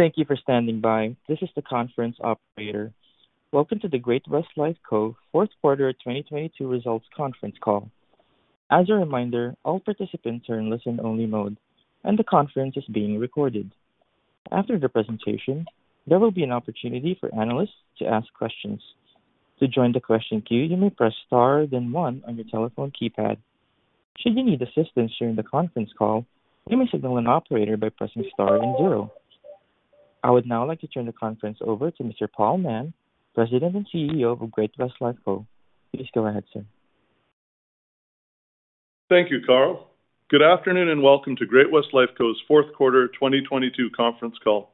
Thank you for standing by. This is the conference operator. Welcome to the Great-West Lifeco fourth quarter 2022 results conference call. As a reminder, all participants are in listen-only mode, and the conference is being recorded. After the presentation, there will be an opportunity for analysts to ask questions. To join the question queue, you may press star then one on your telephone keypad. Should you need assistance during the conference call, you may signal an operator by pressing star and zero. I would now like to turn the conference over to Mr. Paul Mahon, President and CEO of Great-West Lifeco. Please go ahead, sir. Thank you, Carl. Good afternoon and welcome to Great-West Lifeco's fourth quarter 2022 conference call.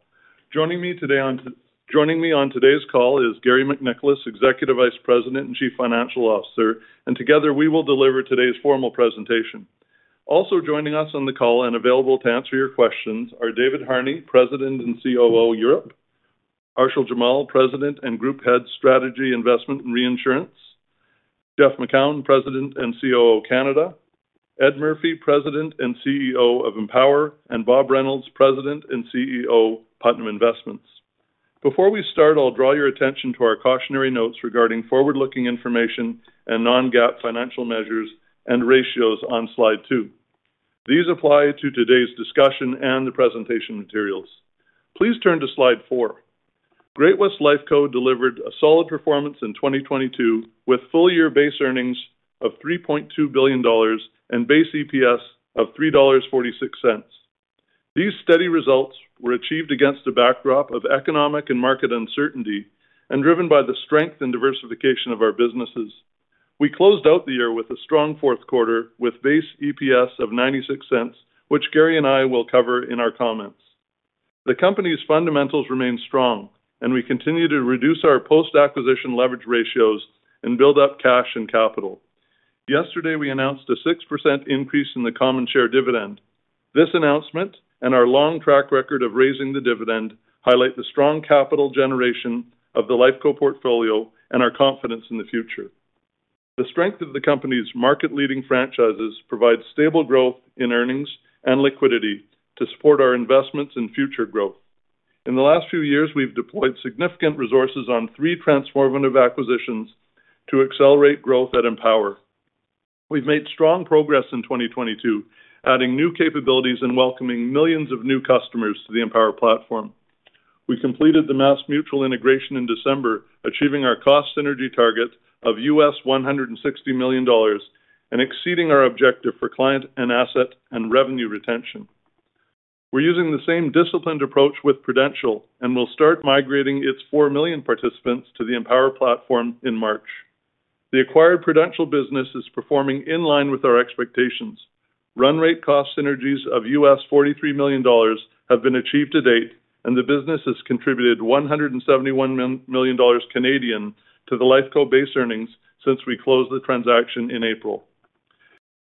Joining me on today's call is Garry MacNicholas, Executive Vice President and Chief Financial Officer, and together, we will deliver today's formal presentation. Also joining us on the call and available to answer your questions are David Harney, President and COO, Europe; Arshil Jamal, President and Group Head, Strategy, Investment, and Reinsurance; Jeff Macoun, President and COO, Canada; Ed Murphy, President and CEO of Empower; and Bob Reynolds, President and CEO, Putnam Investments. Before we start, I'll draw your attention to our cautionary notes regarding forward-looking information and non-GAAP financial measures and ratios on slide two. These apply to today's discussion and the presentation materials. Please turn to slide four. Great-West Lifeco delivered a solid performance in 2022, with full-year base earnings of 3.2 billion dollars and base EPS of 3.46 dollars. These steady results were achieved against a backdrop of economic and market uncertainty and driven by the strength and diversification of our businesses. We closed out the year with a strong fourth quarter with base EPS of 0.96, which Garry and I will cover in our comments. The company's fundamentals remain strong, and we continue to reduce our post-acquisition leverage ratios and build up cash and capital. Yesterday, we announced a 6% increase in the common share dividend. This announcement and our long track record of raising the dividend highlight the strong capital generation of the Lifeco portfolio and our confidence in the future. The strength of the company's market-leading franchises provide stable growth in earnings and liquidity to support our investments in future growth. In the last few years, we've deployed significant resources on three transformative acquisitions to accelerate growth at Empower. We've made strong progress in 2022, adding new capabilities and welcoming millions of new customers to the Empower platform. We completed the MassMutual integration in December, achieving our cost synergy target of $160 million and exceeding our objective for client and asset and revenue retention. We're using the same disciplined approach with Prudential, and we'll start migrating its four million participants to the Empower platform in March. The acquired Prudential business is performing in line with our expectations. Run rate cost synergies of $43 million have been achieved to date, and the business has contributed 171 million Canadian dollars to the Lifeco base earnings since we closed the transaction in April.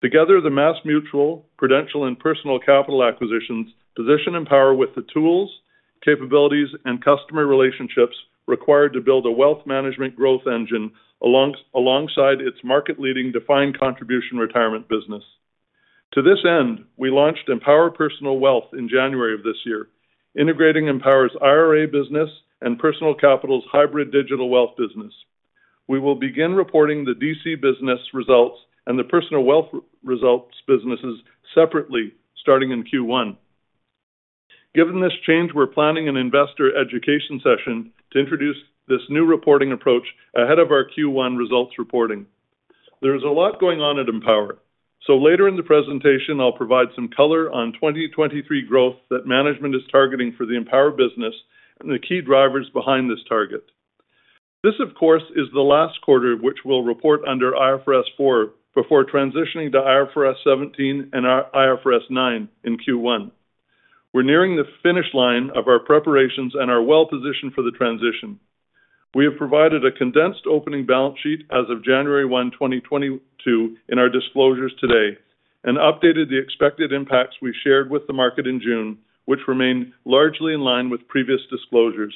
Together, the MassMutual, Prudential, and Personal Capital acquisitions position Empower with the tools, capabilities, and customer relationships required to build a wealth management growth engine alongside its market-leading defined contribution retirement business. To this end, we launched Empower Personal Wealth in January of this year, integrating Empower's IRA business and Personal Capital's hybrid digital wealth business. We will begin reporting the DC business results and the Personal Wealth results businesses separately starting in Q1. Given this change, we're planning an investor education session to introduce this new reporting approach ahead of our Q1 results reporting. There is a lot going on at Empower. Later in the presentation, I'll provide some color on 2023 growth that management is targeting for the Empower business and the key drivers behind this target. This, of course, is the last quarter which we'll report under IFRS 4 before transitioning to IFRS 17 and IFRS 9 in Q1. We're nearing the finish line of our preparations and are well positioned for the transition. We have provided a condensed opening balance sheet as of January 1, 2022 in our disclosures today and updated the expected impacts we shared with the market in June, which remain largely in line with previous disclosures.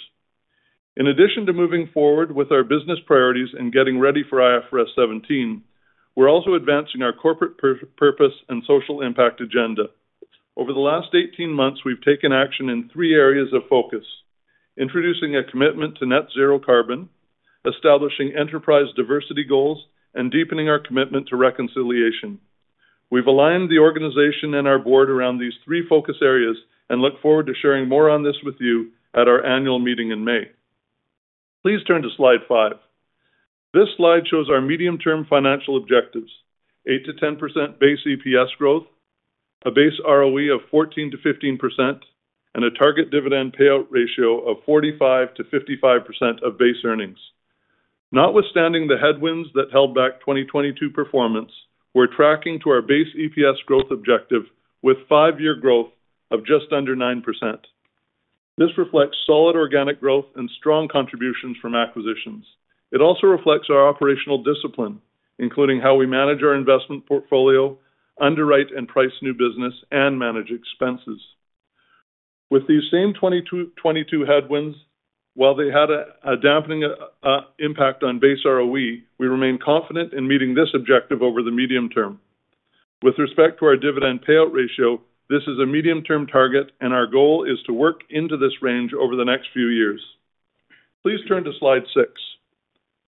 In addition to moving forward with our business priorities and getting ready for IFRS 17, we're also advancing our corporate purpose and social impact agenda. Over the last 18 months, we've taken action in three areas of focus: introducing a commitment to net zero carbon, establishing enterprise diversity goals, and deepening our commitment to reconciliation. We've aligned the organization and our board around these three focus areas and look forward to sharing more on this with you at our annual meeting in May. Please turn to slide five. This slide shows our medium-term financial objectives: 8%-10% base EPS growth, a base ROE of 14%-15%, and a target dividend payout ratio of 45%-55% of base earnings. Notwithstanding the headwinds that held back 2022 performance, we're tracking to our base EPS growth objective with five-year growth of just under 9%. This reflects solid organic growth and strong contributions from acquisitions. It also reflects our operational discipline, including how we manage our investment portfolio, underwrite and price new business, and manage expenses. With these same 22 headwinds, while they had a dampening impact on base ROE, we remain confident in meeting this objective over the medium term. With respect to our dividend payout ratio, this is a medium term target and our goal is to work into this range over the next few years. Please turn to slide six.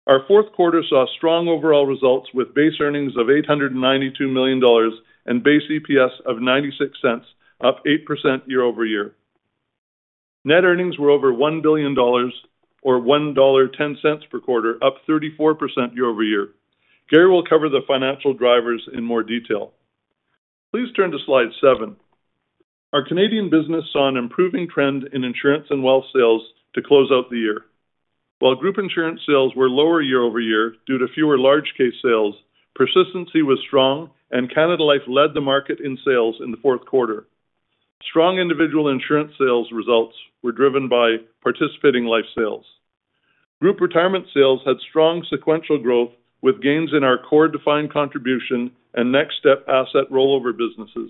Our fourth quarter saw strong overall results with base earnings of $892 million and base EPS of $0.96, up 8% year-over-year. Net earnings were over $1 billion or $1.10 per quarter, up 34% year-over-year. Garry will cover the financial drivers in more detail. Please turn to slide 7. Our Canadian business saw an improving trend in insurance and wealth sales to close out the year. While group insurance sales were lower year-over-year due to fewer large case sales, persistency was strong and Canada Life led the market in sales in the fourth quarter. Strong individual insurance sales results were driven by participating life sales. Group retirement sales had strong sequential growth with gains in our core defined contribution and NextStep asset rollover businesses.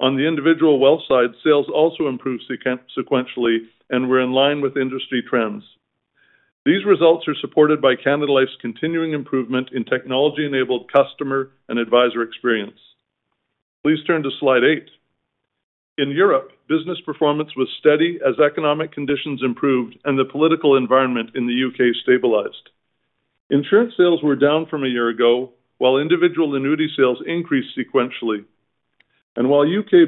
On the individual wealth side, sales also improved sequentially and were in line with industry trends. These results are supported by Canada Life's continuing improvement in technology enabled customer and advisor experience. Please turn to slide eight. In Europe, business performance was steady as economic conditions improved and the political environment in the U.K. stabilized. Insurance sales were down from a year ago while individual annuity sales increased sequentially. While the U.K.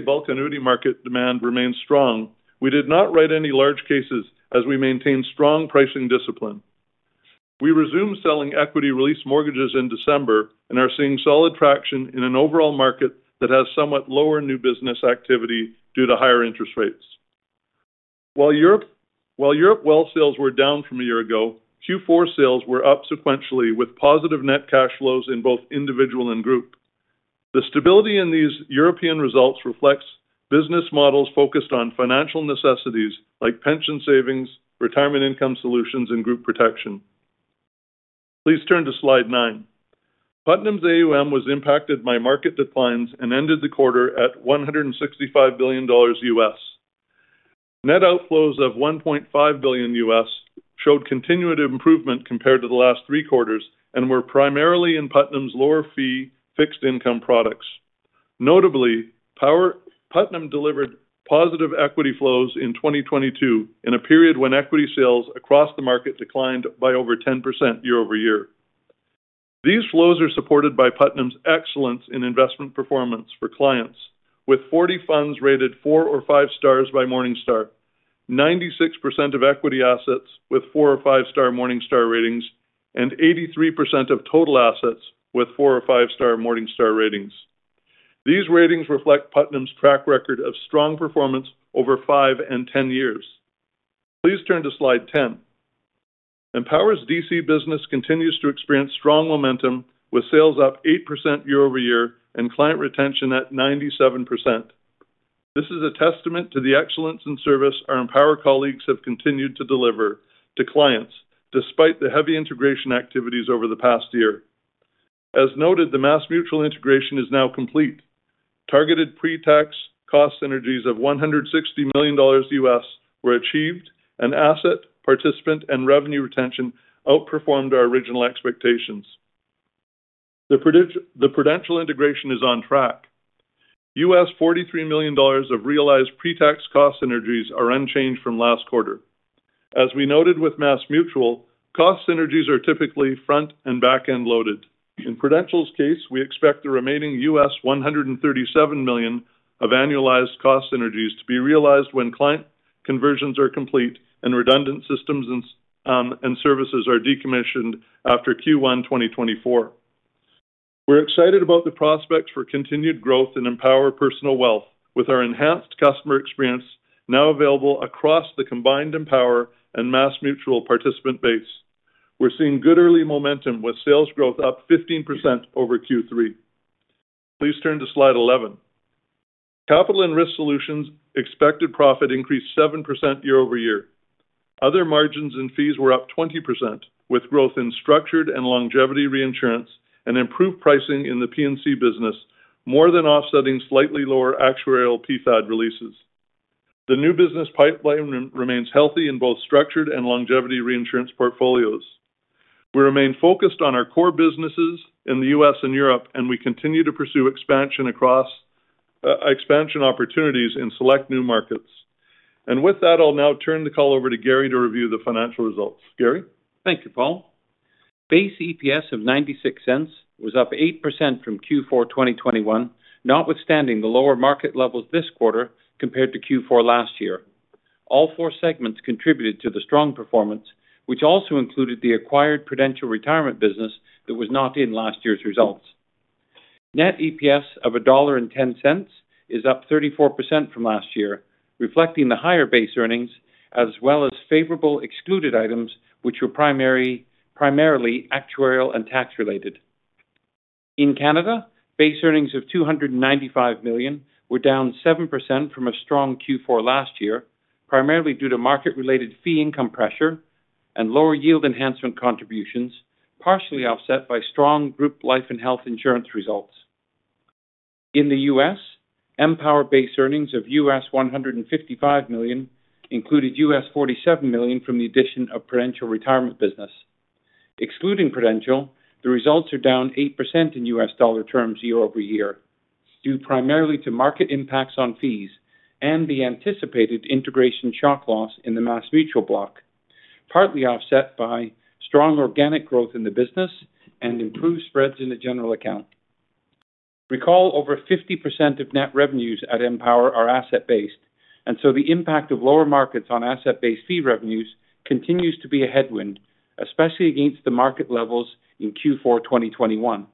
bulk annuity market demand remained strong, we did not write any large cases as we maintained strong pricing discipline. We resumed selling equity release mortgages in December and are seeing solid traction in an overall market that has somewhat lower new business activity due to higher interest rates. While Europe wealth sales were down from a year ago, Q4 sales were up sequentially with positive net cash flows in both individual and group. The stability in these European results reflects business models focused on financial necessities like pension savings, retirement income solutions, and group protection. Please turn to slide nine. Putnam's AUM was impacted by market declines and ended the quarter at $165 billion. Net outflows of $1.5 billion showed continuative improvement compared to the last three quarters and were primarily in Putnam's lower fee fixed income products. Notably, Putnam delivered positive equity flows in 2022 in a period when equity sales across the market declined by over 10% year-over-year. These flows are supported by Putnam's excellence in investment performance for clients with 40 funds rated four or five stars by Morningstar. 96% of equity assets with four or five star Morningstar ratings, and 83% of total assets with four or five star Morningstar ratings. These ratings reflect Putnam's track record of strong performance over five and 10 years. Please turn to slide 10. Empower's DC business continues to experience strong momentum with sales up 8% year-over-year and client retention at 97%. This is a testament to the excellence in service our Empower colleagues have continued to deliver to clients despite the heavy integration activities over the past year. As noted, the MassMutual integration is now complete. Targeted pre-tax cost synergies of $160 million were achieved, and asset, participant, and revenue retention outperformed our original expectations. The Prudential integration is on track. $43 million of realized pre-tax cost synergies are unchanged from last quarter. As we noted with MassMutual, cost synergies are typically front and back end loaded. In Prudential's case, we expect the remaining $137 million of annualized cost synergies to be realized when client conversions are complete and redundant systems and services are decommissioned after Q1 2024. We're excited about the prospects for continued growth in Empower Personal Wealth with our enhanced customer experience now available across the combined Empower and MassMutual participant base. We're seeing good early momentum with sales growth up 15% over Q3. Please turn to slide 11. Capital and Risk Solutions expected profit increased 7% year-over-year. Other margins and fees were up 20%, with growth in structured and longevity reinsurance and improved pricing in the P&C business more than offsetting slightly lower actuarial PfAD releases. The new business pipeline remains healthy in both structured and longevity reinsurance portfolios. We remain focused on our core businesses in the U.S. and Europe, we continue to pursue expansion opportunities in select new markets. With that, I'll now turn the call over to Garry to review the financial results. Garry? Thank you, Paul. Base EPS of 0.96 was up 8% from Q4 2021, notwithstanding the lower market levels this quarter compared to Q4 last year. All four segments contributed to the strong performance, which also included the acquired Prudential retirement business that was not in last year's results. Net EPS of 1.10 dollar is up 34% from last year, reflecting the higher base earnings as well as favorable excluded items which were primarily actuarial and tax related. In Canada, base earnings of 295 million were down 7% from a strong Q4 last year, primarily due to market related fee income pressure and lower yield enhancement contributions, partially offset by strong group life and health insurance results. In the U.S., Empower base earnings of $155 million included $47 million from the addition of Prudential retirement business. Excluding Prudential, the results are down 8% in U.S. dollar terms year-over-year, due primarily to market impacts on fees and the anticipated integration shock loss in the MassMutual block, partly offset by strong organic growth in the business and improved spreads in the general account. Recall over 50% of net revenues at Empower are asset-based, the impact of lower markets on asset-based fee revenues continues to be a headwind, especially against the market levels in Q4 2021.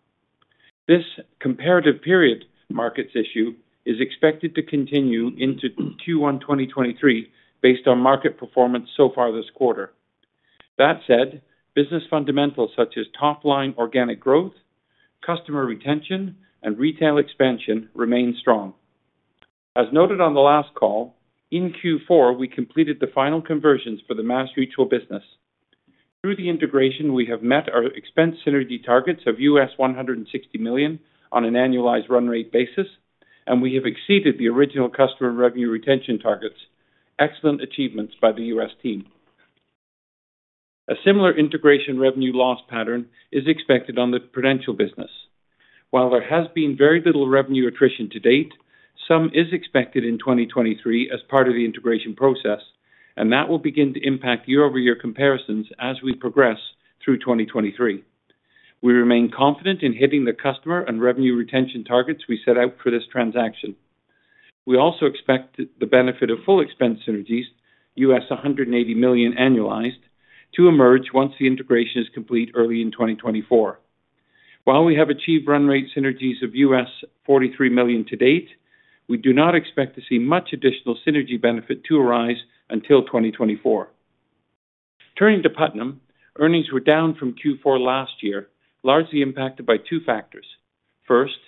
This comparative period markets issue is expected to continue into Q1 2023 based on market performance so far this quarter. That said, business fundamentals such as top line organic growth, customer retention, and retail expansion remain strong. As noted on the last call, in Q4, we completed the final conversions for the MassMutual business. Through the integration, we have met our expense synergy targets of $160 million on an annualized run rate basis, and we have exceeded the original customer revenue retention targets. Excellent achievements by the U.S. team. A similar integration revenue loss pattern is expected on the Prudential business. While there has been very little revenue attrition to date, some is expected in 2023 as part of the integration process, and that will begin to impact year-over-year comparisons as we progress through 2023. We remain confident in hitting the customer and revenue retention targets we set out for this transaction. We also expect the benefit of full expense synergies, $180 million annualized, to emerge once the integration is complete early in 2024. While we have achieved run rate synergies of $43 million to date, we do not expect to see much additional synergy benefit to arise until 2024. Turning to Putnam, earnings were down from Q4 last year, largely impacted by two factors. First,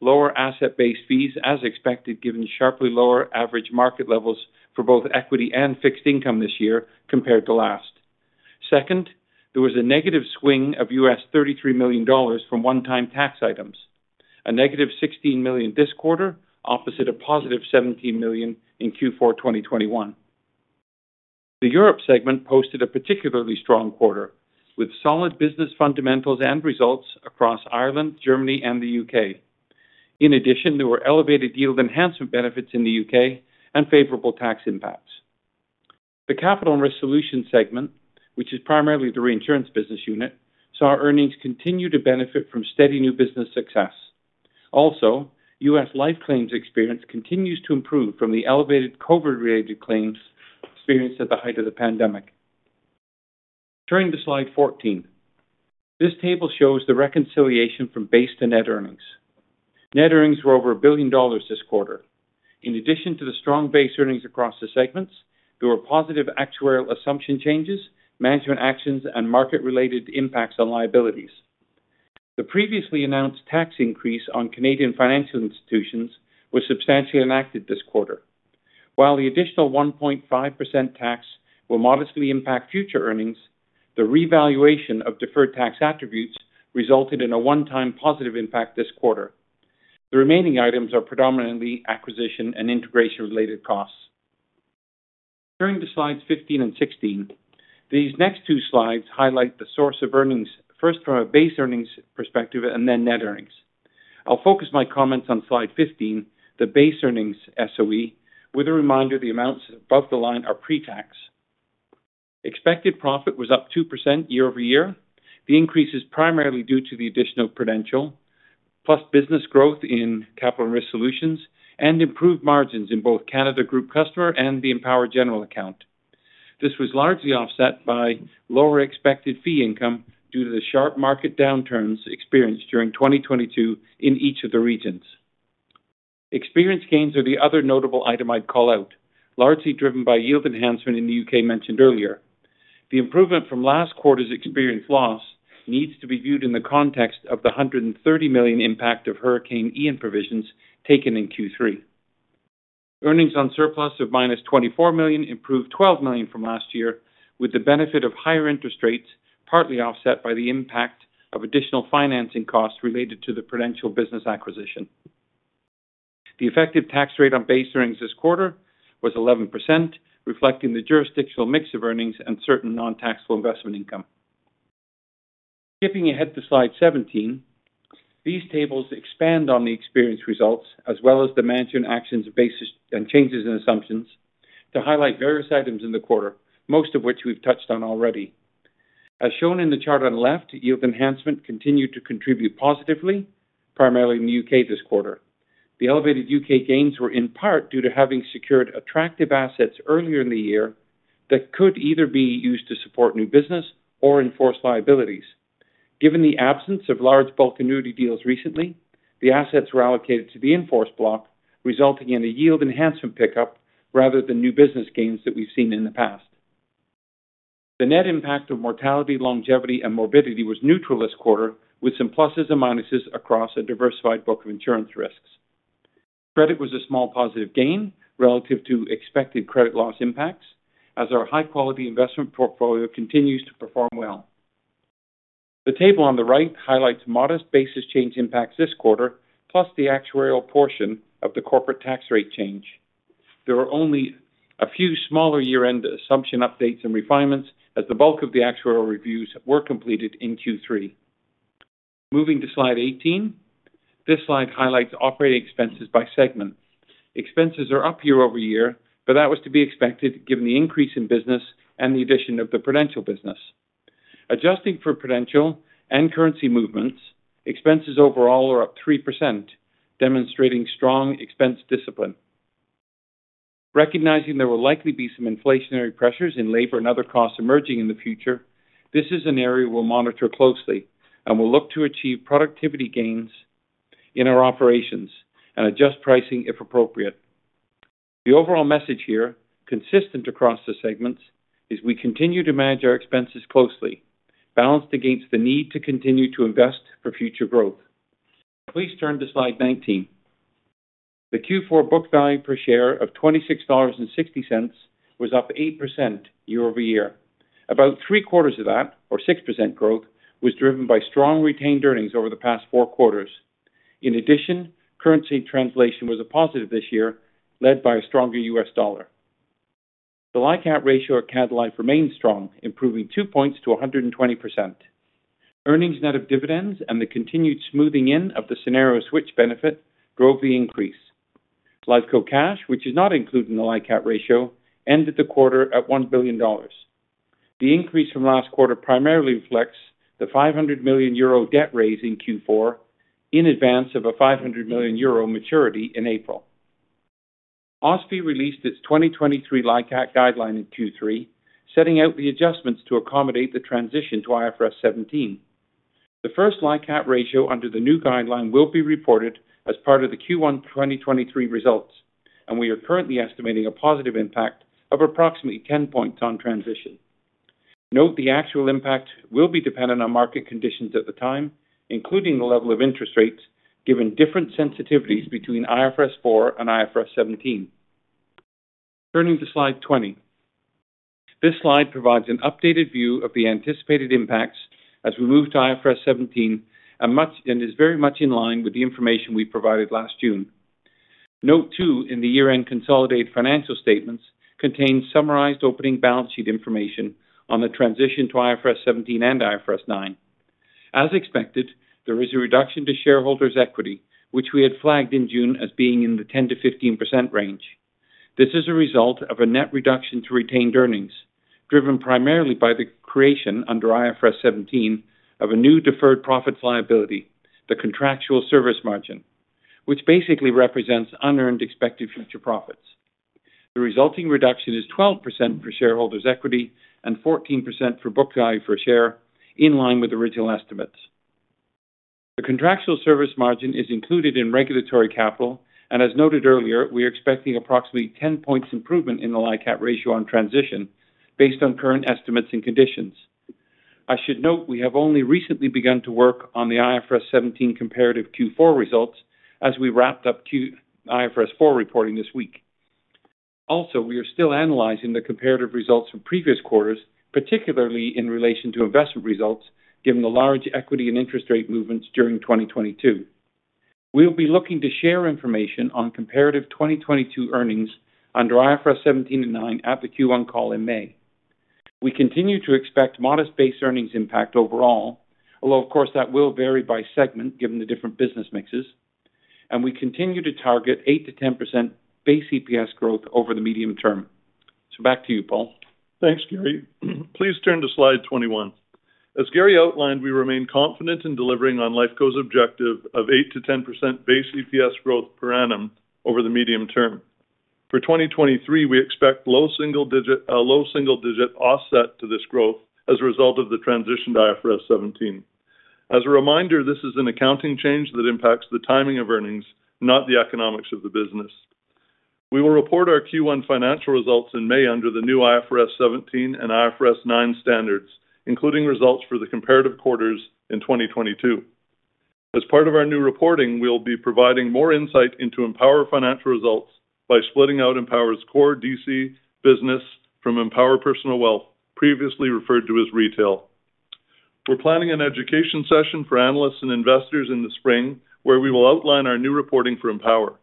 lower asset-based fees as expected, given sharply lower average market levels for both equity and fixed income this year compared to last. Second, there was a negative swing of $33 million from one-time tax items, a negative $16 million this quarter opposite a positive $17 million in Q4 2021. The Europe segment posted a particularly strong quarter with solid business fundamentals and results across Ireland, Germany, and the U.K.. There were elevated yield enhancement benefits in the U.K. and favorable tax impacts. The Capital and Risk Solutions segment, which is primarily the reinsurance business unit, saw earnings continue to benefit from steady new business success. U.S. life claims experience continues to improve from the elevated COVID-related claims experienced at the height of the pandemic. Turning to slide 14. This table shows the reconciliation from base to net earnings. Net earnings were over 1 billion dollars this quarter. In addition to the strong base earnings across the segments, there were positive actuarial assumption changes, management actions, and market related impacts on liabilities. The previously announced tax increase on Canadian financial institutions was substantially enacted this quarter. While the additional 1.5% tax will modestly impact future earnings, the revaluation of deferred tax attributes resulted in a one-time positive impact this quarter. The remaining items are predominantly acquisition and integration related costs. Turning to slides 15 and 16. These next two slides highlight the source of earnings, first from a base earnings perspective and then net earnings. I'll focus my comments on slide 15, the base earnings SOE, with a reminder the amounts above the line are pre-tax. Expected profit was up 2% year-over-year. The increase is primarily due to the additional Prudential, plus business growth in Capital and Risk Solutions, and improved margins in both Canada Group customer and the Empower general account. This was largely offset by lower expected fee income due to the sharp market downturns experienced during 2022 in each of the regions. Experience gains are the other notable item I'd call out, largely driven by yield enhancement in the U.K. mentioned earlier. The improvement from last quarter's experience loss needs to be viewed in the context of the 130 million impact of Hurricane Ian provisions taken in Q3. Earnings on surplus of -24 million improved 12 million from last year, with the benefit of higher interest rates partly offset by the impact of additional financing costs related to the Prudential business acquisition. The effective tax rate on base earnings this quarter was 11%, reflecting the jurisdictional mix of earnings and certain non-taxable investment income. Skipping ahead to slide 17. These tables expand on the experience results as well as the management actions basis and changes in assumptions to highlight various items in the quarter, most of which we've touched on already. As shown in the chart on the left, yield enhancement continued to contribute positively, primarily in the U.K. this quarter. The elevated U.K. gains were in part due to having secured attractive assets earlier in the year that could either be used to support new business or enforce liabilities. Given the absence of large bulk annuity deals recently, the assets were allocated to the in-force block, resulting in a yield enhancement pickup rather than new business gains that we've seen in the past. The net impact of mortality, longevity, and morbidity was neutral this quarter, with some pluses and minuses across a diversified book of insurance risks. Credit was a small positive gain relative to expected credit loss impacts, as our high-quality investment portfolio continues to perform well. The table on the right highlights modest basis change impacts this quarter, plus the actuarial portion of the corporate tax rate change. There are only a few smaller year-end assumption updates and refinements as the bulk of the actuarial reviews were completed in Q3. Moving to slide 18. This slide highlights operating expenses by segment. Expenses are up year-over-year, That was to be expected given the increase in business and the addition of the Prudential business. Adjusting for Prudential and currency movements, expenses overall are up 3%, demonstrating strong expense discipline. Recognizing there will likely be some inflationary pressures in labor and other costs emerging in the future, this is an area we'll monitor closely, We'll look to achieve productivity gains in our operations and adjust pricing if appropriate. The overall message here, consistent across the segments, is we continue to manage our expenses closely, balanced against the need to continue to invest for future growth. Please turn to slide 19. The Q4 book value per share of 26.60 dollars was up 8% year-over-year. About three-quarters of that, or 6% growth, was driven by strong retained earnings over the past four quarters. In addition, currency translation was a positive this year, led by a stronger U.S. dollar. The LICAT ratio at Canada Life remains strong, improving two points to 120%. Earnings net of dividends and the continued smoothing in of the scenario switch benefit drove the increase. Lifeco cash, which is not included in the LICAT ratio, ended the quarter at 1 billion dollars. The increase from last quarter primarily reflects the 500 million euro debt raise in Q4 in advance of a 500 million euro maturity in April. OSFI released its 2023 LICAT guideline in Q3, setting out the adjustments to accommodate the transition to IFRS 17. The first LICAT ratio under the new guideline will be reported as part of the Q1 2023 results, we are currently estimating a positive impact of approximately 10 points on transition. Note the actual impact will be dependent on market conditions at the time, including the level of interest rates, given different sensitivities between IFRS 4 and IFRS 17. Turning to slide 20. This slide provides an updated view of the anticipated impacts as we move to IFRS 17 and is very much in line with the information we provided last June. Note too, in the year-end consolidated financial statements contains summarized opening balance sheet information on the transition to IFRS 17 and IFRS 9. As expected, there is a reduction to shareholders equity, which we had flagged in June as being in the 10%-15% range. This is a result of a net reduction to retained earnings, driven primarily by the creation under IFRS 17 of a new deferred profits liability, the contractual service margin, which basically represents unearned expected future profits. The resulting reduction is 12% for shareholders equity and 14% for book value per share in line with original estimates. The contractual service margin is included in regulatory capital, and as noted earlier, we are expecting approximately 10 points improvement in the LICAT ratio on transition based on current estimates and conditions. I should note we have only recently begun to work on the IFRS 17 comparative Q4 results as we wrapped up IFRS 4 reporting this week. Also, we are still analyzing the comparative results from previous quarters, particularly in relation to investment results, given the large equity and interest rate movements during 2022. We will be looking to share information on comparative 2022 earnings under IFRS 17 and 9 at the Q1 call in May. We continue to expect modest base earnings impact overall, although of course that will vary by segment given the different business mixes, and we continue to target 8%-10% base EPS growth over the medium term. Back to you, Paul. Thanks, Garry. Please turn to slide 21. As Garry outlined, we remain confident in delivering on Lifeco's objective of 8%-10% base EPS growth per annum over the medium term. For 2023, we expect a low single digit offset to this growth as a result of the transition to IFRS 17. As a reminder, this is an accounting change that impacts the timing of earnings, not the economics of the business. We will report our Q1 financial results in May under the new IFRS 17 and IFRS 9 standards, including results for the comparative quarters in 2022. As part of our new reporting, we will be providing more insight into Empower financial results by splitting out Empower's core DC business from Empower Personal Wealth, previously referred to as Retail. We're planning an education session for analysts and investors in the spring where we will outline our new reporting for Empower.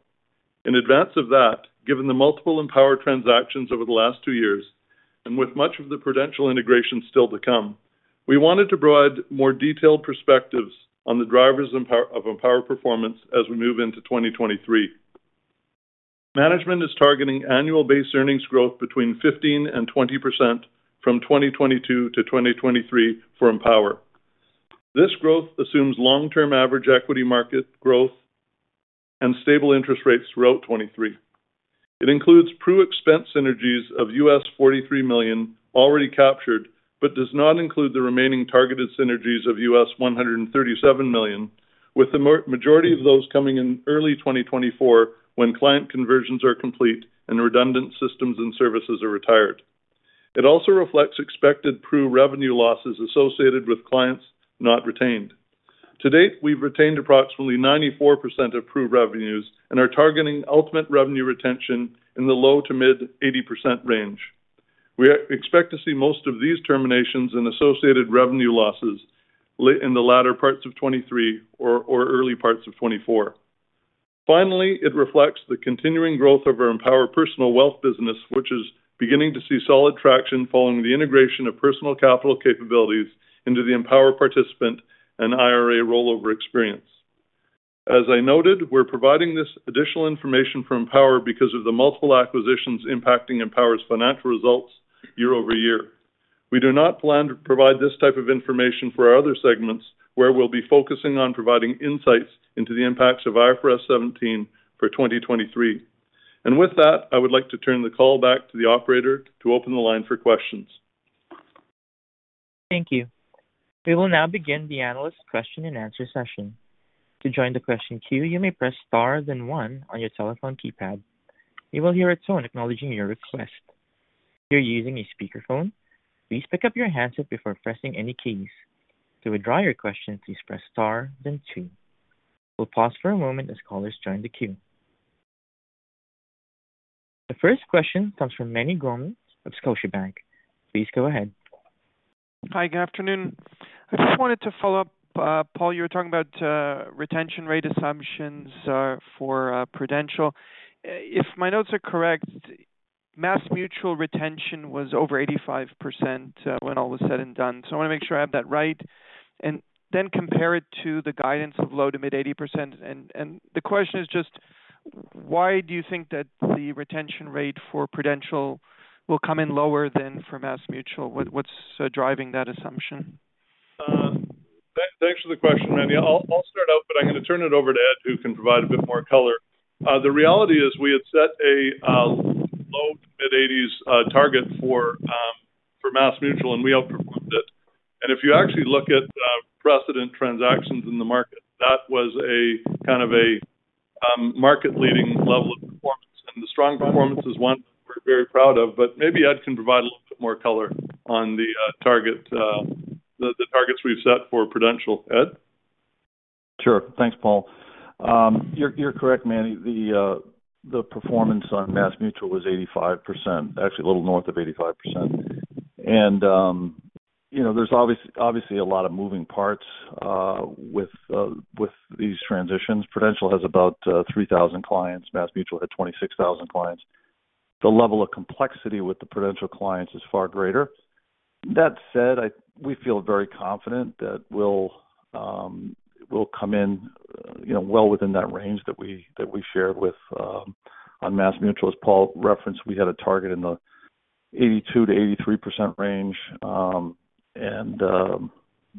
In advance of that, given the multiple Empower transactions over the last two years and with much of the Prudential integration still to come, we wanted to provide more detailed perspectives on the drivers of Empower performance as we move into 2023. Management is targeting annual base earnings growth between 15% and 20% from 2022 to 2023 for Empower. This growth assumes long-term average equity market growth and stable interest rates throughout 2023. It includes Prudential expense synergies of $43 million already captured, but does not include the remaining targeted synergies of $137 million, with the majority of those coming in early 2024 when client conversions are complete and redundant systems and services are retired. It also reflects expected Prudential revenue losses associated with clients not retained. To date, we've retained approximately 94% of Prudential revenues and are targeting ultimate revenue retention in the low to mid 80% range. We expect to see most of these terminations and associated revenue losses in the latter parts of 2023 or early parts of 2024. Finally, it reflects the continuing growth of our Empower Personal Wealth business, which is beginning to see solid traction following the integration of Personal Capital capabilities into the Empower participant and IRA rollover experience. As I noted, we're providing this additional information from Empower because of the multiple acquisitions impacting Empower's financial results year-over-year. We do not plan to provide this type of information for our other segments, where we'll be focusing on providing insights into the impacts of IFRS 17 for 2023. With that, I would like to turn the call back to the operator to open the line for questions. Thank you. We will now begin the analyst question and answer session. To join the question queue, you may press star then one on your telephone keypad. You will hear a tone acknowledging your request. If you're using a speakerphone, please pick up your handset before pressing any keys. To withdraw your question, please press star then two. We'll pause for a moment as callers join the queue. The first question comes from Meny Grauman of Scotiabank. Please go ahead. Hi, good afternoon. I just wanted to follow up. Paul, you were talking about retention rate assumptions for Prudential. If my notes are correct, MassMutual retention was over 85% when all was said and done. I want to make sure I have that right and then compare it to the guidance of low to mid 80%. The question is just, why do you think that the retention rate for Prudential will come in lower than for MassMutual? What's driving that assumption? Thanks for the question, Meny. I'll start out, but I'm going to turn it over to Ed, who can provide a bit more color. The reality is we had set a low mid-80s target for MassMutual, and we outperformed it. If you actually look at precedent transactions in the market, that was a kind of a market-leading level of performance. The strong performance is one we're very proud of, but maybe Ed can provide a little bit more color on the target, the targets we've set for Prudential. Ed? Sure. Thanks, Paul. You're correct, Meny. The performance on MassMutual was 85%. Actually, a little north of 85%. You know, there's obviously a lot of moving parts with these transitions. Prudential has about 3,000 clients. MassMutual had 26,000 clients. The level of complexity with the Prudential clients is far greater. That said, we feel very confident that we'll come in, you know, well within that range that we, that we shared with on MassMutual, as Paul referenced, we had a target in the 82%-83% range.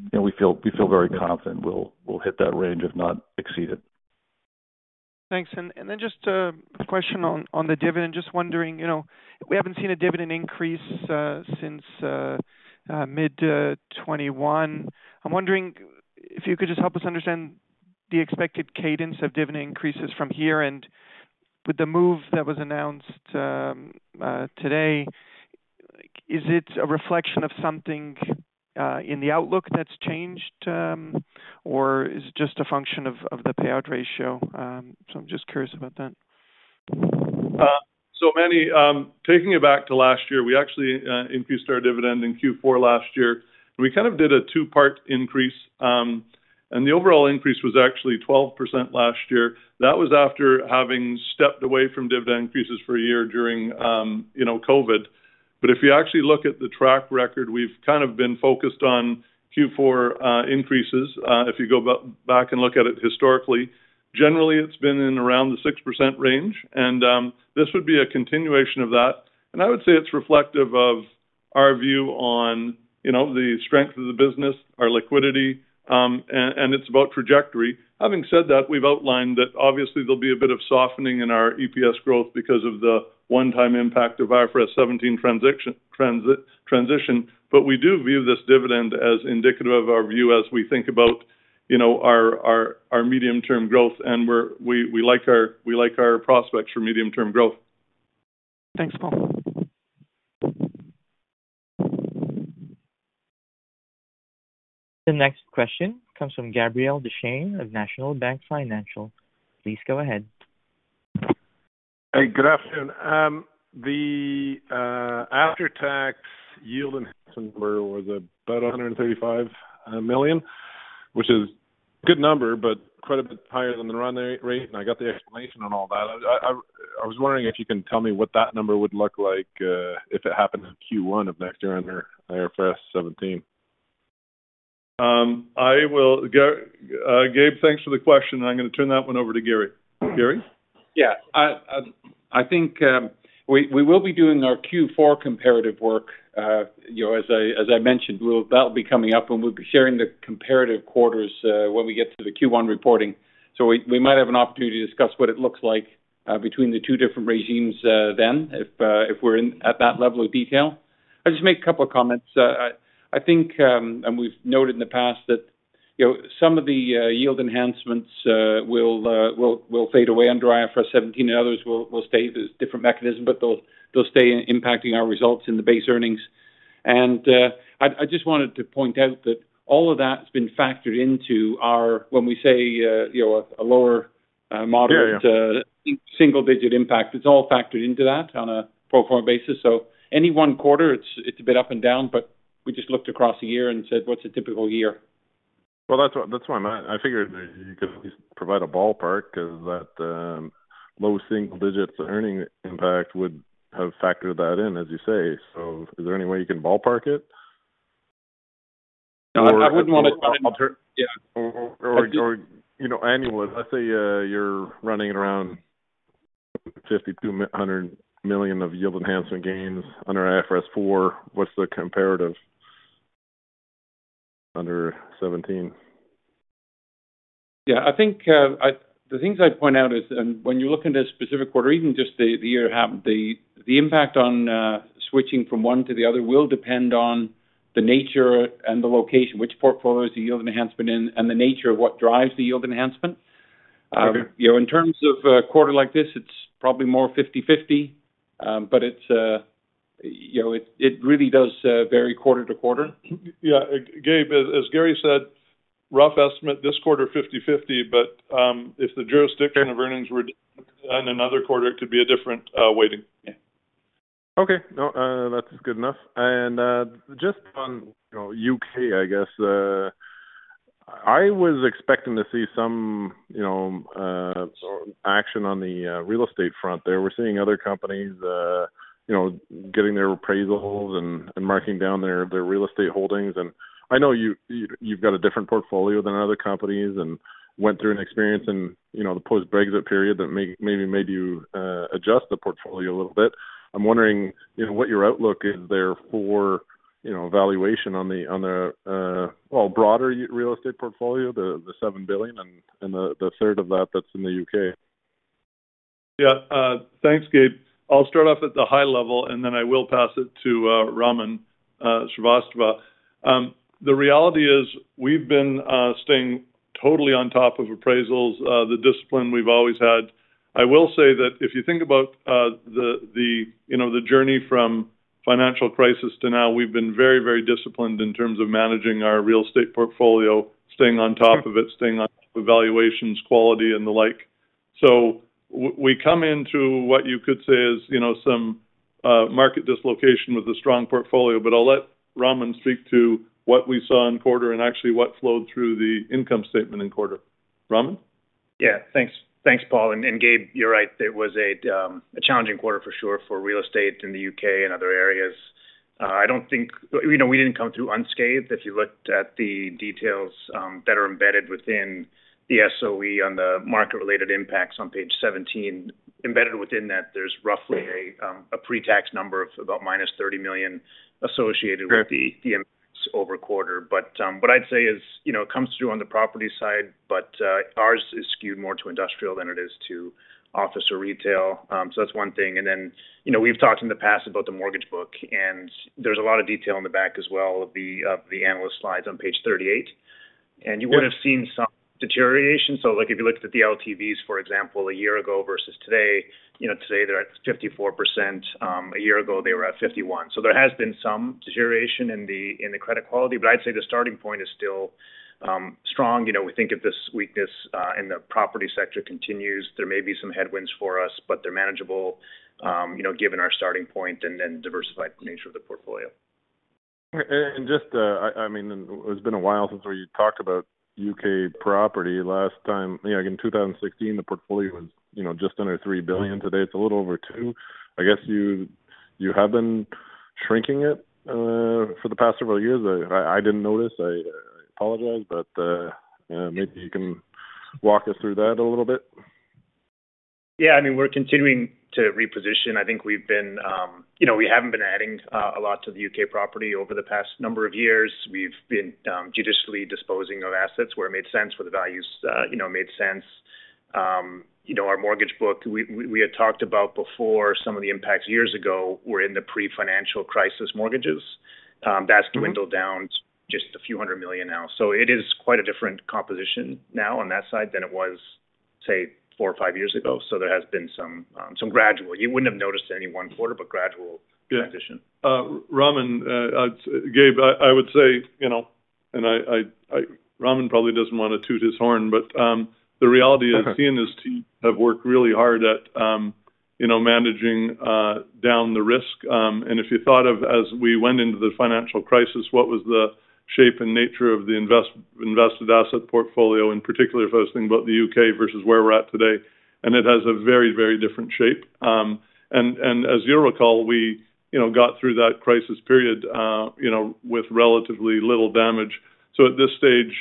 You know, we feel very confident we'll hit that range if not exceed it. Thanks. Then just a question on the dividend. Just wondering, we haven't seen a dividend increase since mid-2021. I'm wondering if you could just help us understand the expected cadence of dividend increases from here and with the move that was announced today, is it a reflection of something in the outlook that's changed or is it just a function of the payout ratio? I'm just curious about that. Meny, taking it back to last year, we actually increased our dividend in Q4 last year. We kind of did a two-part increase, and the overall increase was actually 12% last year. That was after having stepped away from dividend increases for a year during, you know, COVID. If you actually look at the track record, we've kind of been focused on Q4 increases. If you go back and look at it historically, generally it's been in around the 6% range, and this would be a continuation of that. I would say it's reflective of our view on, you know, the strength of the business, our liquidity, and it's about trajectory. Having said that, we've outlined that obviously there'll be a bit of softening in our EPS growth because of the one-time impact of IFRS 17 transition. We do view this dividend as indicative of our view as we think about, you know, our medium-term growth, and we like our prospects for medium-term growth. Thanks, Paul. The next question comes from Gabriel Dechaine of National Bank Financial. Please go ahead. Hey, good afternoon. The after-tax yield enhancement number was about $135 million, which is good number, but quite a bit higher than the run rate, and I got the explanation on all that. I was wondering if you can tell me what that number would look like, if it happened in Q1 of next year under IFRS 17. Gabe, thanks for the question. I'm gonna turn that one over to Garry. Garry? Yeah. I think we will be doing our Q4 comparative work. You know, as I mentioned, that'll be coming up and we'll be sharing the comparative quarters when we get to the Q1 reporting. We might have an opportunity to discuss what it looks like between the two different regimes then, if we're in at that level of detail. I'll just make a couple of comments. I think, and we've noted in the past that, you know, some of the yield enhancements will fade away under IFRS 17 and others will stay. There's different mechanisms, but they'll stay impacting our results in the base earnings. I just wanted to point out that all of that has been factored into our... when we say, you know, a lower. Yeah, yeah. Single-digit impact, it's all factored into that on a pro forma basis. Any one quarter, it's a bit up and down, but we just looked across the year and said, "What's a typical year?" Well, that's what I meant. I figured that you could at least provide a ballpark because that, low single digits earning impact would have factored that in, as you say. Is there any way you can ballpark it? No, I wouldn't. Or, or alter- Yeah. You know, annualize. Let's say, you're running around 50 million-100 million of yield enhancement gains under IFRS 4, what's the comparative under seventeen? Yeah. I think the things I'd point out is when you look into a specific quarter, even just the year half, the impact on switching from one to the other will depend on the nature and the location, which portfolio is the yield enhancement in, and the nature of what drives the yield enhancement. You know, in terms of a quarter like this, it's probably more 50/50. It's, you know, it really does vary quarter to quarter. Yeah. Gabe, as Garry said, rough estimate this quarter 50/50. If the jurisdiction of earnings were different in another quarter, it could be a different weighting. Yeah. Okay. No, that's good enough. Just on, you know, U.K., I guess, I was expecting to see some, you know, action on the real estate front there. We're seeing other companies, you know, getting their appraisals and marking down their real estate holdings. I know you've got a different portfolio than other companies and went through an experience in, you know, the post-Brexit period that maybe made you adjust the portfolio a little bit. I'm wondering, you know, what your outlook is there for, you know, valuation on the, on the, well, broader real estate portfolio, the 7 billion and the third of that that's in the U.K.. Yeah. Thanks, Gabe. I'll start off at the high level, and then I will pass it to Raman Srivastava. The reality is we've been staying totally on top of appraisals, the discipline we've always had. I will say that if you think about, the, you know, the journey from financial crisis to now, we've been very, very disciplined in terms of managing our real estate portfolio, staying on top of it, staying on top of valuations, quality, and the like. We come into what you could say is, you know, some market dislocation with a strong portfolio. I'll let Raman speak to what we saw in quarter and actually what flowed through the income statement in quarter. Raman? Yeah. Thanks. Thanks, Paul. Gabe, you're right, it was a challenging quarter for sure for real estate in the U.K. and other areas. You know, we didn't come through unscathed. If you looked at the details that are embedded within the SOE on the market-related impacts on page 17, embedded within that, there's roughly a pre-tax number of about -30 million associated with the the impacts over quarter. What I'd say is, you know, it comes through on the property side, ours is skewed more to industrial than it is to office or retail. That's one thing. Then, you know, we've talked in the past about the mortgage book, and there's a lot of detail on the back as well of the, of the analyst slides on page 38. You would have seen some deterioration. Like if you looked at the LTVs, for example, a year ago versus today, you know, today they're at 54%, a year ago they were at 51. There has been some deterioration in the, in the credit quality, but I'd say the starting point is still strong. You know, we think if this weakness in the property sector continues, there may be some headwinds for us, but they're manageable, you know, given our starting point and then diversified nature of the portfolio. Just, I mean, it's been a while since we talked about U.K. property. Last time, you know, in 2016, the portfolio was, you know, just under 3 billion. Today, it's a little over 2 billion. I guess you have been shrinking it for the past several years. I didn't notice. I apologize, but, you know, maybe you can walk us through that a little bit. I mean, we're continuing to reposition. I think we've been, you know, we haven't been adding a lot to the U.K. property over the past number of years. We've been judiciously disposing of assets where it made sense, where the values, you know, made sense. You know, our mortgage book, we had talked about before some of the impacts years ago were in the pre-financial crisis mortgages. That's dwindled down to just a few hundred million now. It is quite a different composition now on that side than it was, say, four or five years ago. There has been some gradual. You wouldn't have noticed any one quarter, but gradual transition. Raman, Gabe, I would say, you know, and Raman probably doesn't want to toot his horn, but the reality I've seen is teams have worked really hard at, you know, managing down the risk. If you thought of as we went into the financial crisis, what was the shape and nature of the invested asset portfolio, and particularly if I was thinking about the U.K. versus where we're at today, and it has a very, very different shape. As you recall, we, you know, got through that crisis period, you know, with relatively little damage. At this stage,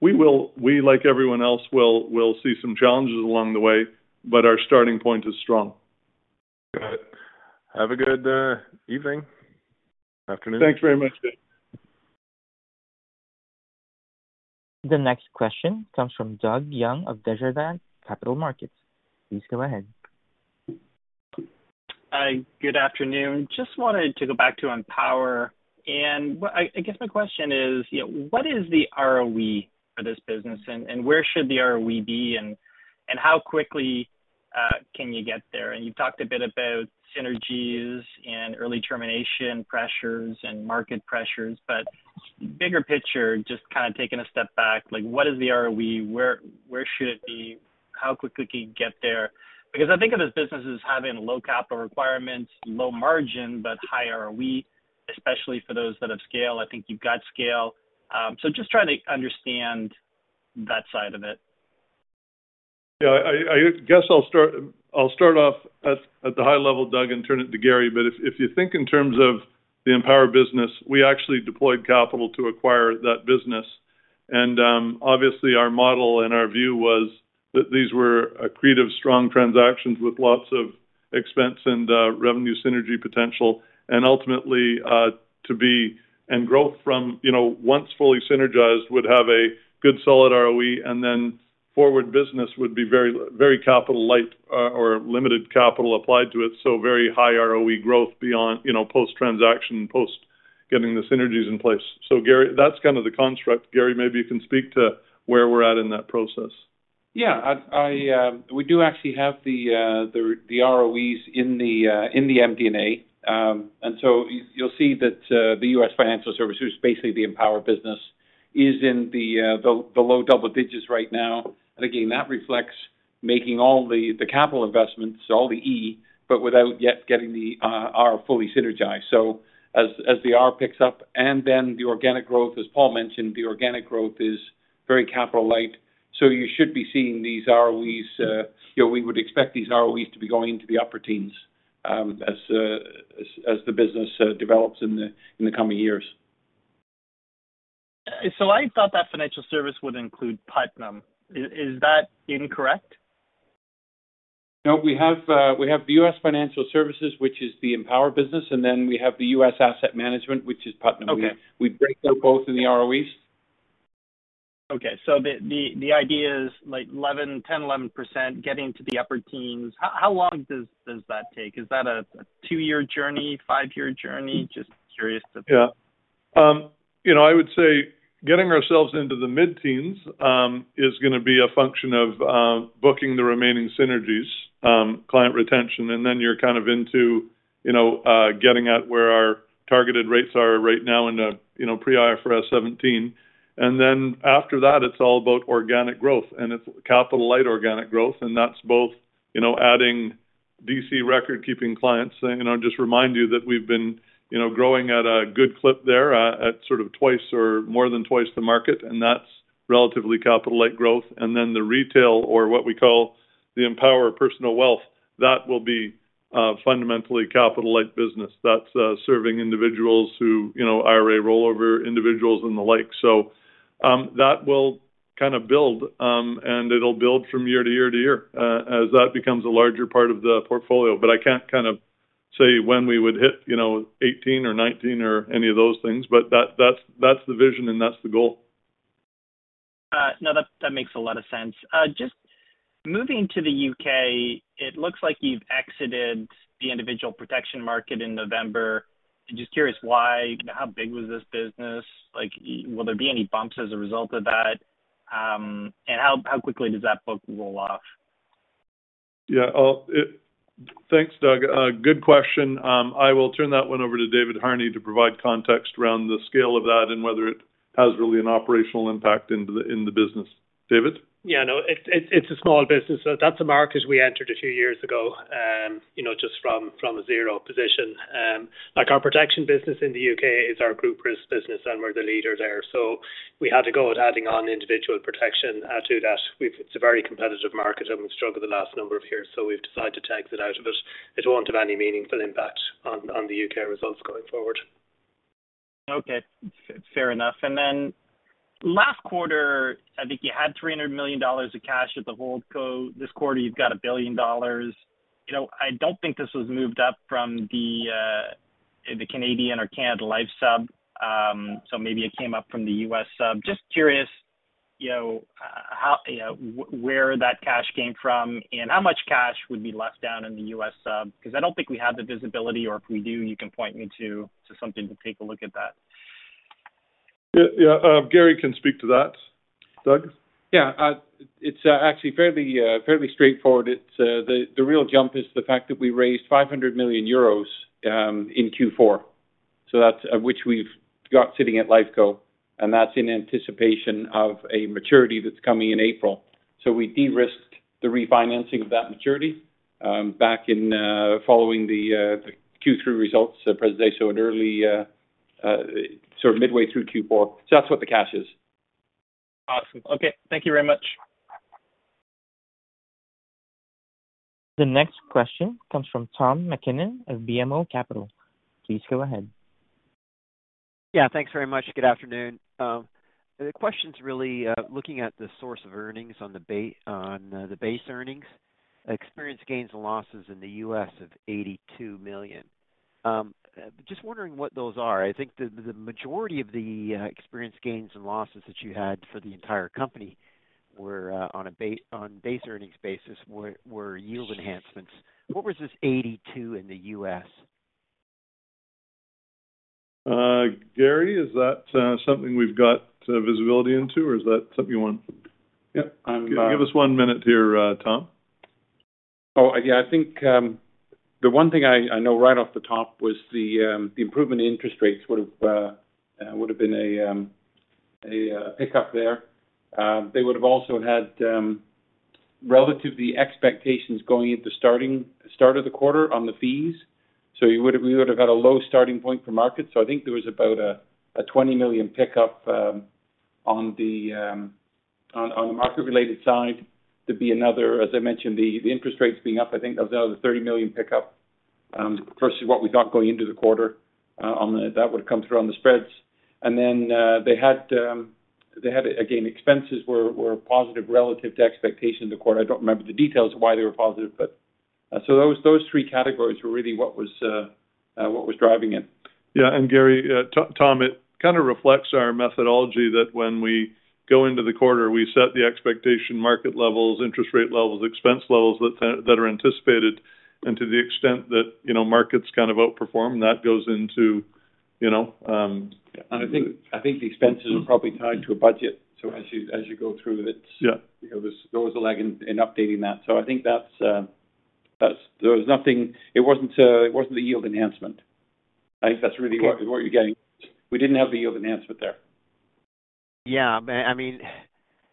we will, like everyone else, will see some challenges along the way, but our starting point is strong. Got it. Have a good evening. Afternoon. Thanks very much, Gabe. The next question comes from Doug Young of Desjardins Capital Markets. Please go ahead. Hi, good afternoon. Just wanted to go back to Empower. I guess my question is, you know, what is the ROE for this business? Where should the ROE be? How quickly can you get there? You've talked a bit about synergies and early termination pressures and market pressures. Bigger picture, just kind of taking a step back, like what is the ROE? Where should it be? How quickly can you get there? Because I think of this business as having low capital requirements, low margin, but high ROE, especially for those that have scale. I think you've got scale. So just trying to understand that side of it. Yeah. I guess I'll start, I'll start off at the high level, Doug, and turn it to Garry. If you think in terms of the Empower business, we actually deployed capital to acquire that business. Obviously our model and our view was that these were accretive, strong transactions with lots of expense and revenue synergy potential. Ultimately, and growth from, you know, once fully synergized, would have a good solid ROE, and then forward business would be very, very capital light or limited capital applied to it, so very high ROE growth beyond, you know, post-transaction, post getting the synergies in place. Garry, that's kind of the construct. Garry, maybe you can speak to where we're at in that process. Yeah. I, we do actually have the ROEs in the MD&A. You'll see that the U.S. Financial Services, basically the Empower business, is in the low double digits right now. And again, that reflects making all the capital investments, all the E, but without yet getting the R fully synergized. As the R picks up, and then the organic growth, as Paul mentioned, the organic growth is very capital light, so you should be seeing these ROEs, you know, we would expect these ROEs to be going into the upper teens, as the business develops in the coming years. I thought that financial service would include Putnam. Is that incorrect? We have the U.S. Financial Services, which is the Empower business, and then we have the U.S. Asset Management, which is Putnam. Okay. We break out both in the ROEs. Okay. The idea is like 11%, 10%, 11% getting to the upper teens. How long does that take? Is that a two-year journey, five-year journey? Just curious. Yeah. You know, I would say getting ourselves into the mid-teens is gonna be a function of booking the remaining synergies, client retention, and then you're kind of into, you know, getting at where our targeted rates are right now in the, you know, pre-IFRS 17. After that, it's all about organic growth, and it's capital light organic growth, and that's both, you know, adding DC record-keeping clients. You know, just remind you that we've been, you know, growing at a good clip there at sort of twice or more than twice the market, and that's relatively capital light growth. The retail or what we call the Empower Personal Wealth, that will be fundamentally capital light business. That's serving individuals who, you know, IRA rollover individuals and the like. That will kind of build, and it'll build from year to year to year, as that becomes a larger part of the portfolio. I can't kind of say when we would hit, you know, 18 or 19 or any of those things, but that's, that's the vision and that's the goal. No, that makes a lot of sense. Just moving to the U.K., it looks like you've exited the individual protection market in November. I'm just curious why. How big was this business? Like, will there be any bumps as a result of that? How quickly does that book roll off? Well, thanks, Doug. Good question. I will turn that one over to David Harney to provide context around the scale of that and whether it has really an operational impact in the business. David? Yeah, no. It's a small business. That's a market we entered a few years ago, you know, just from a zero position. Like our protection business in the U.K. is our group risk business, and we're the leader there. We had a go at adding on individual protection to that. It's a very competitive market and we've struggled the last number of years, so we've decided to take it out of it. It won't have any meaningful impact on the U.K. results going forward. Okay. Fair enough. Last quarter, I think you had 300 million dollars of cash at the holdco. This quarter you've got 1 billion dollars. You know, I don't think this was moved up from the Canadian or Canada Life sub. Maybe it came up from the U.S. sub. Just curious, you know, how, you know, where that cash came from and how much cash would be left down in the U.S. sub? I don't think we have the visibility, or if we do, you can point me to something to take a look at that. Yeah, yeah. Garry can speak to that. Doug? Yeah. It's actually fairly straightforward. It's the real jump is the fact that we raised 500 million euros in Q4. That's which we've got sitting at Lifeco, and that's in anticipation of a maturity that's coming in April. We de-risked the refinancing of that maturity back in following the Q3 results presentation. In early, sort of midway through Q4. That's what the cash is. Awesome. Okay. Thank you very much. The next question comes from Tom MacKinnon of BMO Capital. Please go ahead. Thanks very much. Good afternoon. The question's really looking at the source of earnings on the base earnings. Experience gains and losses in the U.S. of $82 million. Just wondering what those are. I think the majority of the experience gains and losses that you had for the entire company were on a base earnings basis were yield enhancements. What was this $82 million in the U.S.? Garry, is that something we've got, visibility into or is that something you want? Yeah, I'm. Give us one minute here, Tom. Yeah, I think the one thing I know right off the top was the improvement in interest rates would have been a pickup there. They would have also had relative to the expectations going into the start of the quarter on the fees. We would have had a low starting point for market. I think there was about a 20 million pickup on the market related side. There'd be another, as I mentioned, the interest rates being up. I think there was another 30 million pickup versus what we got going into the quarter that would have come through on the spreads. They had, again, expenses were positive relative to expectations in the quarter. I don't remember the details of why they were positive, but. Those three categories were really what was driving it. Yeah. Garry, Tom, it kind of reflects our methodology that when we go into the quarter, we set the expectation market levels, interest rate levels, expense levels that are anticipated. To the extent that, you know, markets kind of outperform, that goes into, you know. I think the expenses are probably tied to a budget. As you go through it. Yeah There was a lag in updating that. I think it wasn't the yield enhancement. I think that's really what you're getting. We didn't have the yield enhancement there. Yeah. I mean,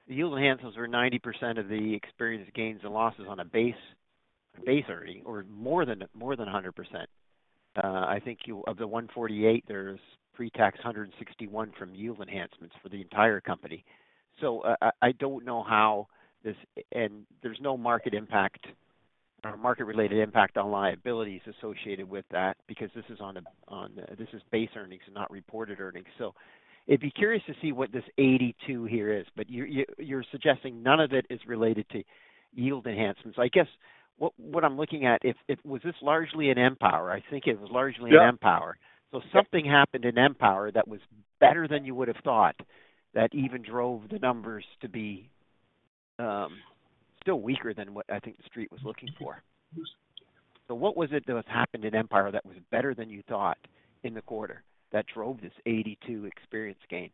yield enhancements were 90% of the experienced gains and losses on a base earning or more than 100%. I think of the 148, there's pre-tax 161 from yield enhancements for the entire company. I don't know how this and there's no market impact or market related impact on liabilities associated with that because this is on base earnings and not reported earnings. It'd be curious to see what this 82 here is. You're suggesting none of it is related to yield enhancements. I guess what I'm looking at, if it was this largely in Empower? I think it was largely in Empower. Yeah. Something happened in Empower that was better than you would have thought. That even drove the numbers to be still weaker than what I think the street was looking for. What was it that happened in Empower that was better than you thought in the quarter that drove this 82 experience gain?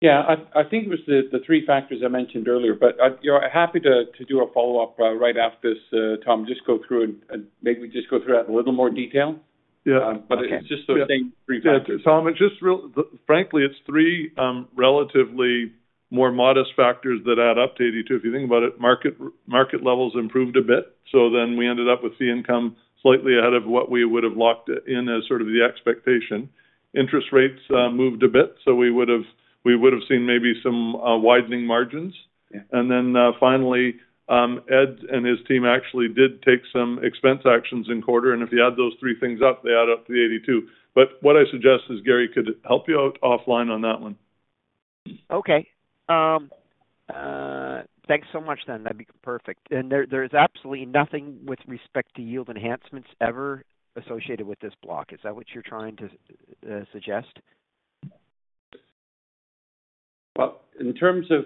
Yeah, I think it was the three factors I mentioned earlier, but you know, happy to do a follow-up right after this, Tom, just go through and maybe we just go through that in a little more detail. Yeah. It's just those same three factors. Yeah. Tom, it just frankly, it's three relatively more modest factors that add up to 82. If you think about it, market levels improved a bit. We ended up with the income slightly ahead of what we would have locked in as sort of the expectation. Interest rates moved a bit. We would have seen maybe some widening margins. Yeah. Finally, Ed and his team actually did take some expense actions in quarter, and if you add those three things up, they add up to the 82. What I suggest is, Garry, could help you out offline on that one. Okay. thanks so much then. That'd be perfect. There, there's absolutely nothing with respect to yield enhancements ever associated with this block. Is that what you're trying to suggest? Well, in terms of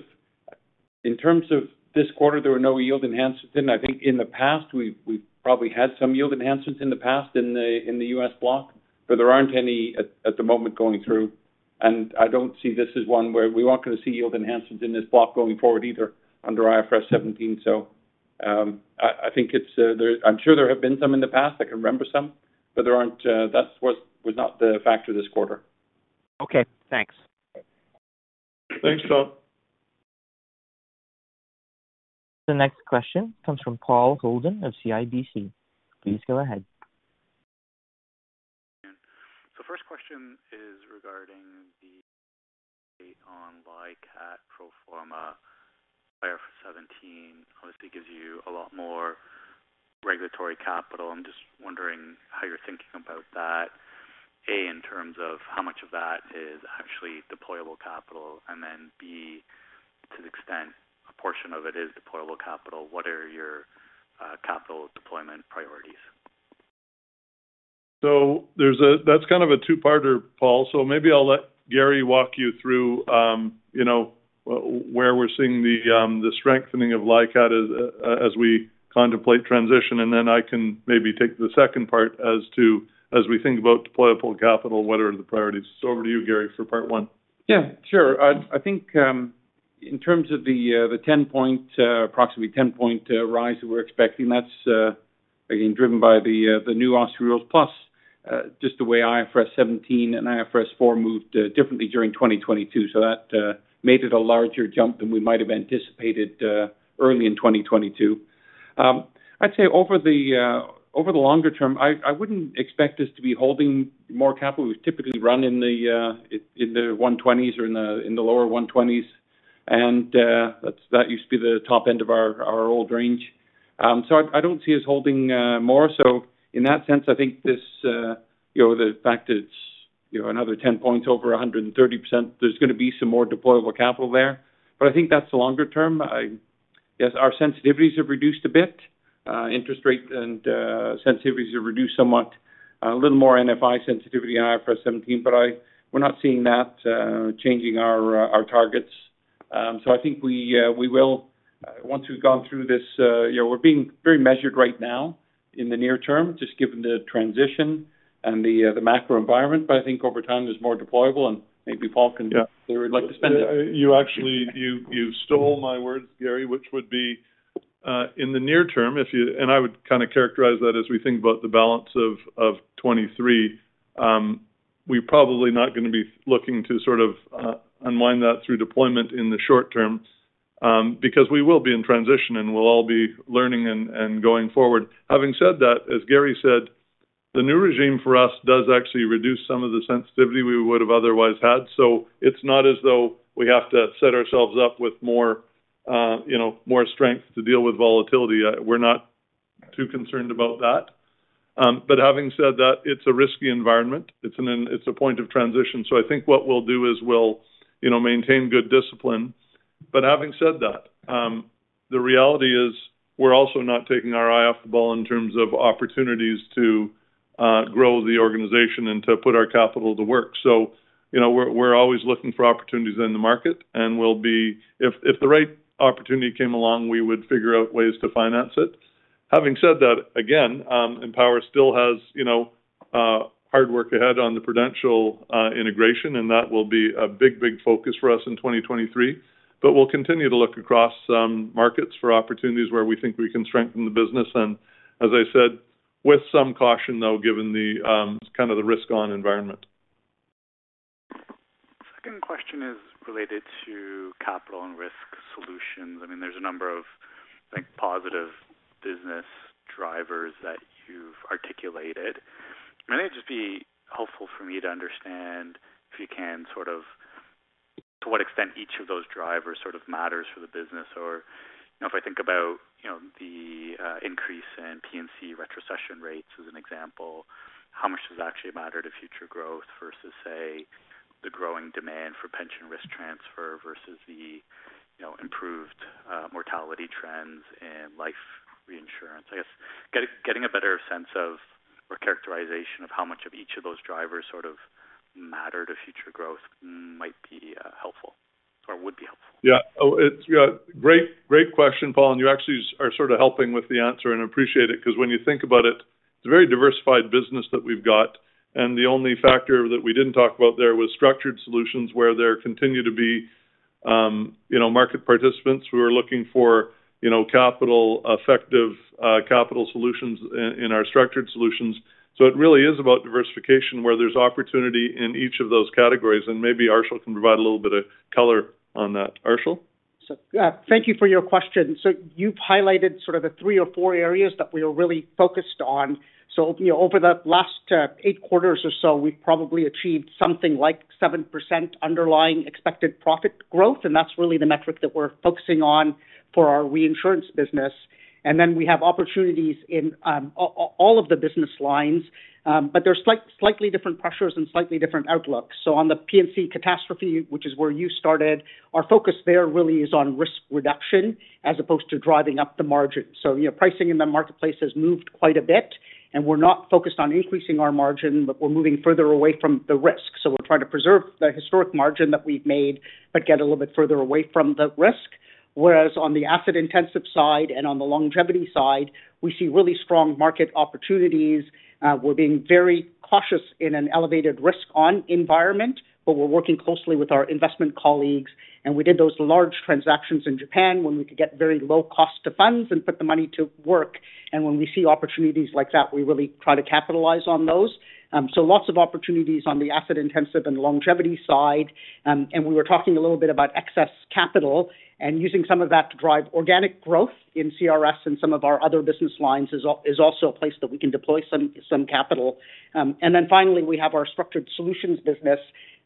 this quarter, there were no yield enhancements. I think in the past we've probably had some yield enhancements in the past in the U.S. block, there aren't any at the moment going through. I don't see this as one where we aren't going to see yield enhancements in this block going forward either under IFRS 17. I think it's I'm sure there have been some in the past. I can remember some, there aren't, that was not the factor this quarter. Okay, thanks. Thanks, Tom. The next question comes from Paul Holden of CIBC. Please go ahead. First question is regarding the date on LICAT pro forma IFRS 17 obviously gives you a lot more regulatory capital. I'm just wondering how you're thinking about that, A, in terms of how much of that is actually deployable capital, and then, B, to the extent a portion of it is deployable capital, what are your capital deployment priorities? There's that's kind of a two-parter, Paul. Maybe I'll let Garry walk you through, you know, where we're seeing the strengthening of LICAT as we contemplate transition, and then I can maybe take the second part as to, as we think about deployable capital, what are the priorities. Over to you, Garry, for part one. Yeah, sure. I think, in terms of the 10-point, approximately 10-point, rise that we're expecting, that's, again, driven by the new OSFI rules, plus, just the way IFRS 17 and IFRS 4 moved, differently during 2022. That made it a larger jump than we might have anticipated, early in 2022. I'd say over the longer term, I wouldn't expect us to be holding more capital. We typically run in the 120s or in the lower 120s. That's used to be the top end of our old range. I don't see us holding more. In that sense, I think this, the fact it's another 10 points over 130%, there's gonna be some more deployable capital there. I think that's the longer term. Yes, our sensitivities have reduced a bit. Interest rate and sensitivities have reduced somewhat, a little more NFI sensitivity in IFRS 17, but we're not seeing that changing our targets. I think we will once we've gone through this we're being very measured right now in the near term, just given the transition and the macro environment. I think over time, there's more deployable, and maybe Paul can. Yeah. If you would like to spend it. You actually, you stole my words, Garry, which would be in the near term, if you. I would kind of characterize that as we think about the balance of 2023, we're probably not gonna be looking to sort of unwind that through deployment in the short term, because we will be in transition, and we'll all be learning and going forward. Having said that, as Garry said, the new regime for us does actually reduce some of the sensitivity we would have otherwise had. It's not as though we have to set ourselves up with more, you know, more strength to deal with volatility. We're not too concerned about that. Having said that, it's a risky environment. It's a point of transition. I think what we'll do is we'll, you know, maintain good discipline. Having said that, the reality is we're also not taking our eye off the ball in terms of opportunities to grow the organization and to put our capital to work. You know, we're always looking for opportunities in the market, and if the right opportunity came along, we would figure out ways to finance it. Having said that, again, Empower still has, you know, hard work ahead on the Prudential integration, and that will be a big, big focus for us in 2023. We'll continue to look across markets for opportunities where we think we can strengthen the business, and as I said, with some caution, though, given the kind of the risk-on environment. Second question is related to Capital and Risk Solutions. I mean, there's a number of, I think, positive business drivers that you've articulated. May I just be helpful for me to understand, if you can sort of to what extent each of those drivers sort of matters for the business? If I think about, you know, the increase in P&C retrocession rates as an example, how much does it actually matter to future growth versus, say, the growing demand for pension risk transfer versus the, you know, improved mortality trends in life reinsurance? I guess getting a better sense of or characterization of how much of each of those drivers sort of matter to future growth might be helpful or would be helpful. Yeah. Oh, Yeah, great question, Paul. You actually are sort of helping with the answer and appreciate it because when you think about it's a very diversified business that we've got, and the only factor that we didn't talk about there was structured solutions where there continue to be, you know, market participants who are looking for, you know, capital effective, capital solutions in our structured solutions. It really is about diversification, where there's opportunity in each of those categories, and maybe Arshil can provide a little bit of color on that. Arshil? Yeah, thank you for your question. You've highlighted sort of the three or four areas that we are really focused on. You know, over the last eight quarters or so, we've probably achieved something like 7% underlying expected profit growth, and that's really the metric that we're focusing on for our reinsurance business. We have opportunities in all of the business lines. There's slightly different pressures and slightly different outlooks. On the P&C catastrophe, which is where you started, our focus there really is on risk reduction as opposed to driving up the margin. You know, pricing in the marketplace has moved quite a bit, and we're not focused on increasing our margin, but we're moving further away from the risk. We're trying to preserve the historic margin that we've made but get a little bit further away from the risk. Whereas on the asset intensive side and on the longevity side, we see really strong market opportunities. We're being very cautious in an elevated risk on environment, but we're working closely with our investment colleagues. We did those large transactions in Japan when we could get very low cost of funds and put the money to work. When we see opportunities like that, we really try to capitalize on those. Lots of opportunities on the asset intensive and longevity side. We were talking a little bit about excess capital and using some of that to drive organic growth in CRS and some of our other business lines is also a place that we can deploy some capital. Then finally, we have our structured solutions business.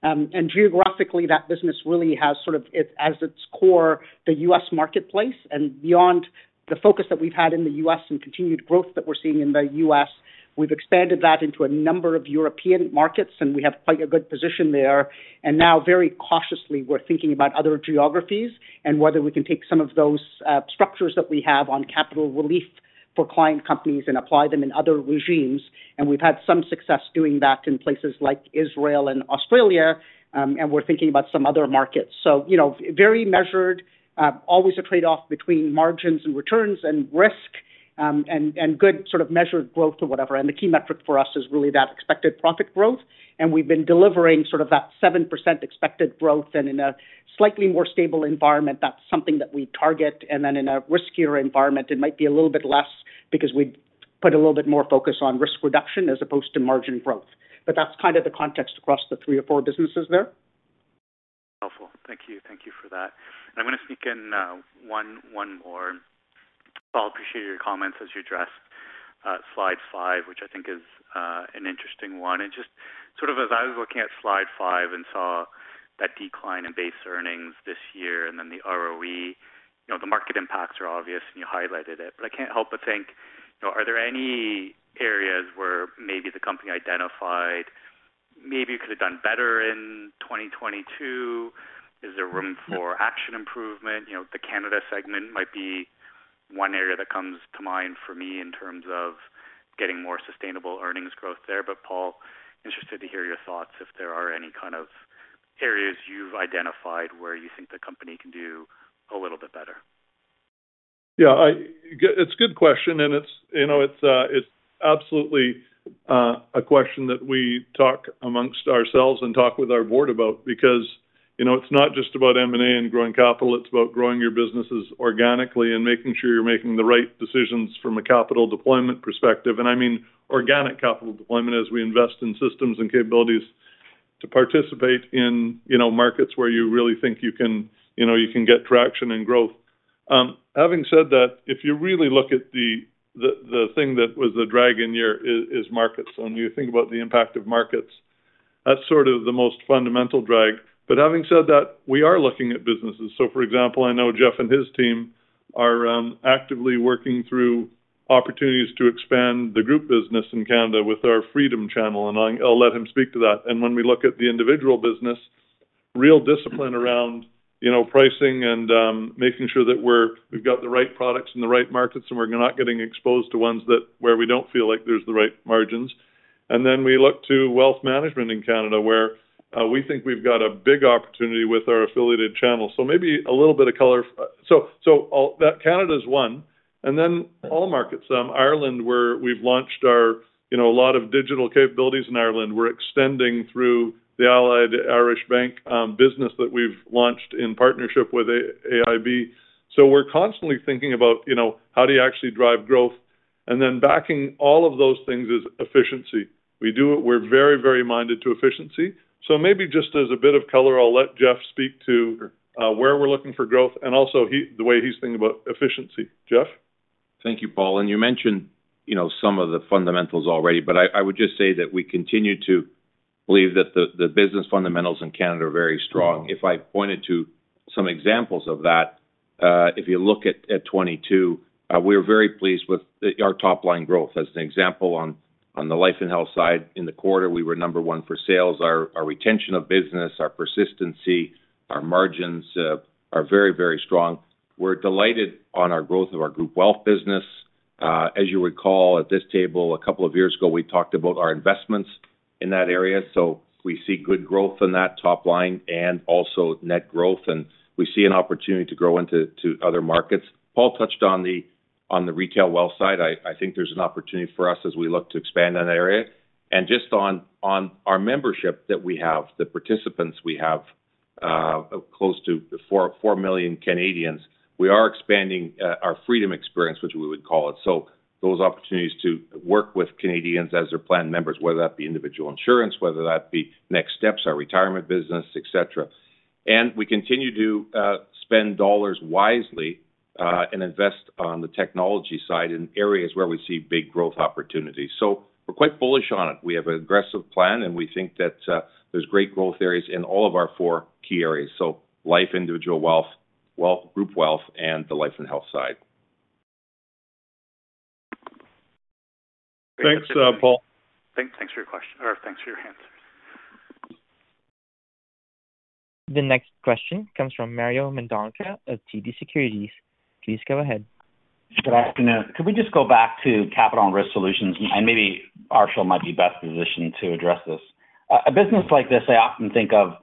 Geographically, that business really has sort of, as its core, the U.S. marketplace. Beyond the focus that we've had in the U.S. and continued growth that we're seeing in the U.S., we've expanded that into a number of European markets, and we have quite a good position there. Now very cautiously, we're thinking about other geographies and whether we can take some of those structures that we have on capital relief for client companies and apply them in other regimes. We've had some success doing that in places like Israel and Australia, and we're thinking about some other markets. You know, very measured, always a trade-off between margins and returns and risk, and good sort of measured growth or whatever. The key metric for us is really that expected profit growth. We've been delivering sort of that 7% expected growth. In a slightly more stable environment, that's something that we target. In a riskier environment, it might be a little bit less because we put a little bit more focus on risk reduction as opposed to margin growth. That's kind of the context across the three or four businesses there. Helpful. Thank you. Thank you for that. I'm gonna sneak in, one more. Paul, I appreciate your comments as you address, slide five, which I think is, an interesting one. Just sort of as I was looking at slide five and saw that decline in base earnings this year and then the ROE, you know, the market impacts are obvious, and you highlighted it. I can't help but think, you know, are there any areas where maybe the company identified Maybe you could have done better in 2022? Is there room for action improvement? You know, the Canada segment might be one area that comes to mind for me in terms of getting more sustainable earnings growth there. Paul, interested to hear your thoughts if there are any kind of areas you've identified where you think the company can do a little bit better. Yeah, it's a good question, it's, you know, it's absolutely a question that we talk amongst ourselves and talk with our board about because, you know, it's not just about M&A and growing capital, it's about growing your businesses organically and making sure you're making the right decisions from a capital deployment perspective. I mean, organic capital deployment as we invest in systems and capabilities to participate in, you know, markets where you really think you can, you know, get traction and growth. Having said that, if you really look at the thing that was the drag in year is markets. When you think about the impact of markets, that's sort of the most fundamental drag. Having said that, we are looking at businesses. For example, I know Jeff and his team are actively working through opportunities to expand the group business in Canada with our Freedom channel, I'll let him speak to that. When we look at the individual business, real discipline around, you know, pricing and making sure that we've got the right products in the right markets, and we're not getting exposed to ones that where we don't feel like there's the right margins. Then we look to wealth management in Canada, where we think we've got a big opportunity with our affiliated channels. Maybe a little bit of color. That Canada's one, all markets. Ireland, where we've launched our, you know, a lot of digital capabilities in Ireland. We're extending through the Allied Irish Bank business that we've launched in partnership with AIB. We're constantly thinking about, you know, how do you actually drive growth? Then backing all of those things is efficiency. We do it. We're very, very minded to efficiency. Maybe just as a bit of color, I'll let Jeff speak to where we're looking for growth and also the way he's thinking about efficiency. Jeff. Thank you, Paul. You mentioned, you know, some of the fundamentals already, but I would just say that we continue to believe that the business fundamentals in Canada are very strong. If I pointed to some examples of that, if you look at 2022, we're very pleased with our top line growth. As an example, on the life and health side, in the quarter, we were number one for sales. Our retention of business, our persistency, our margins, are very strong. We're delighted on our growth of our group wealth business. As you recall, at this table a couple of years ago, we talked about our investments in that area. We see good growth in that top line and also net growth, and we see an opportunity to grow into other markets. Paul touched on the retail wealth side. I think there's an opportunity for us as we look to expand on that area. Just on our membership that we have, the participants we have, close to four million Canadians, we are expanding our Freedom experience, which we would call it. Those opportunities to work with Canadians as their plan members, whether that be individual insurance, whether that be NextStep, our retirement business, et cetera. We continue to spend dollars wisely and invest on the technology side in areas where we see big growth opportunities. We're quite bullish on it. We have an aggressive plan, and we think that there's great growth areas in all of our four key areas. Life, individual wealth, group wealth, and the life and health side. Thanks, Paul. Thanks for your question or thanks for your answer. The next question comes from Mario Mendonca of TD Securities. Please go ahead. Good afternoon. Could we just go back to Capital and Risk Solutions? Maybe Arshil might be best positioned to address this. A business like this, I often think of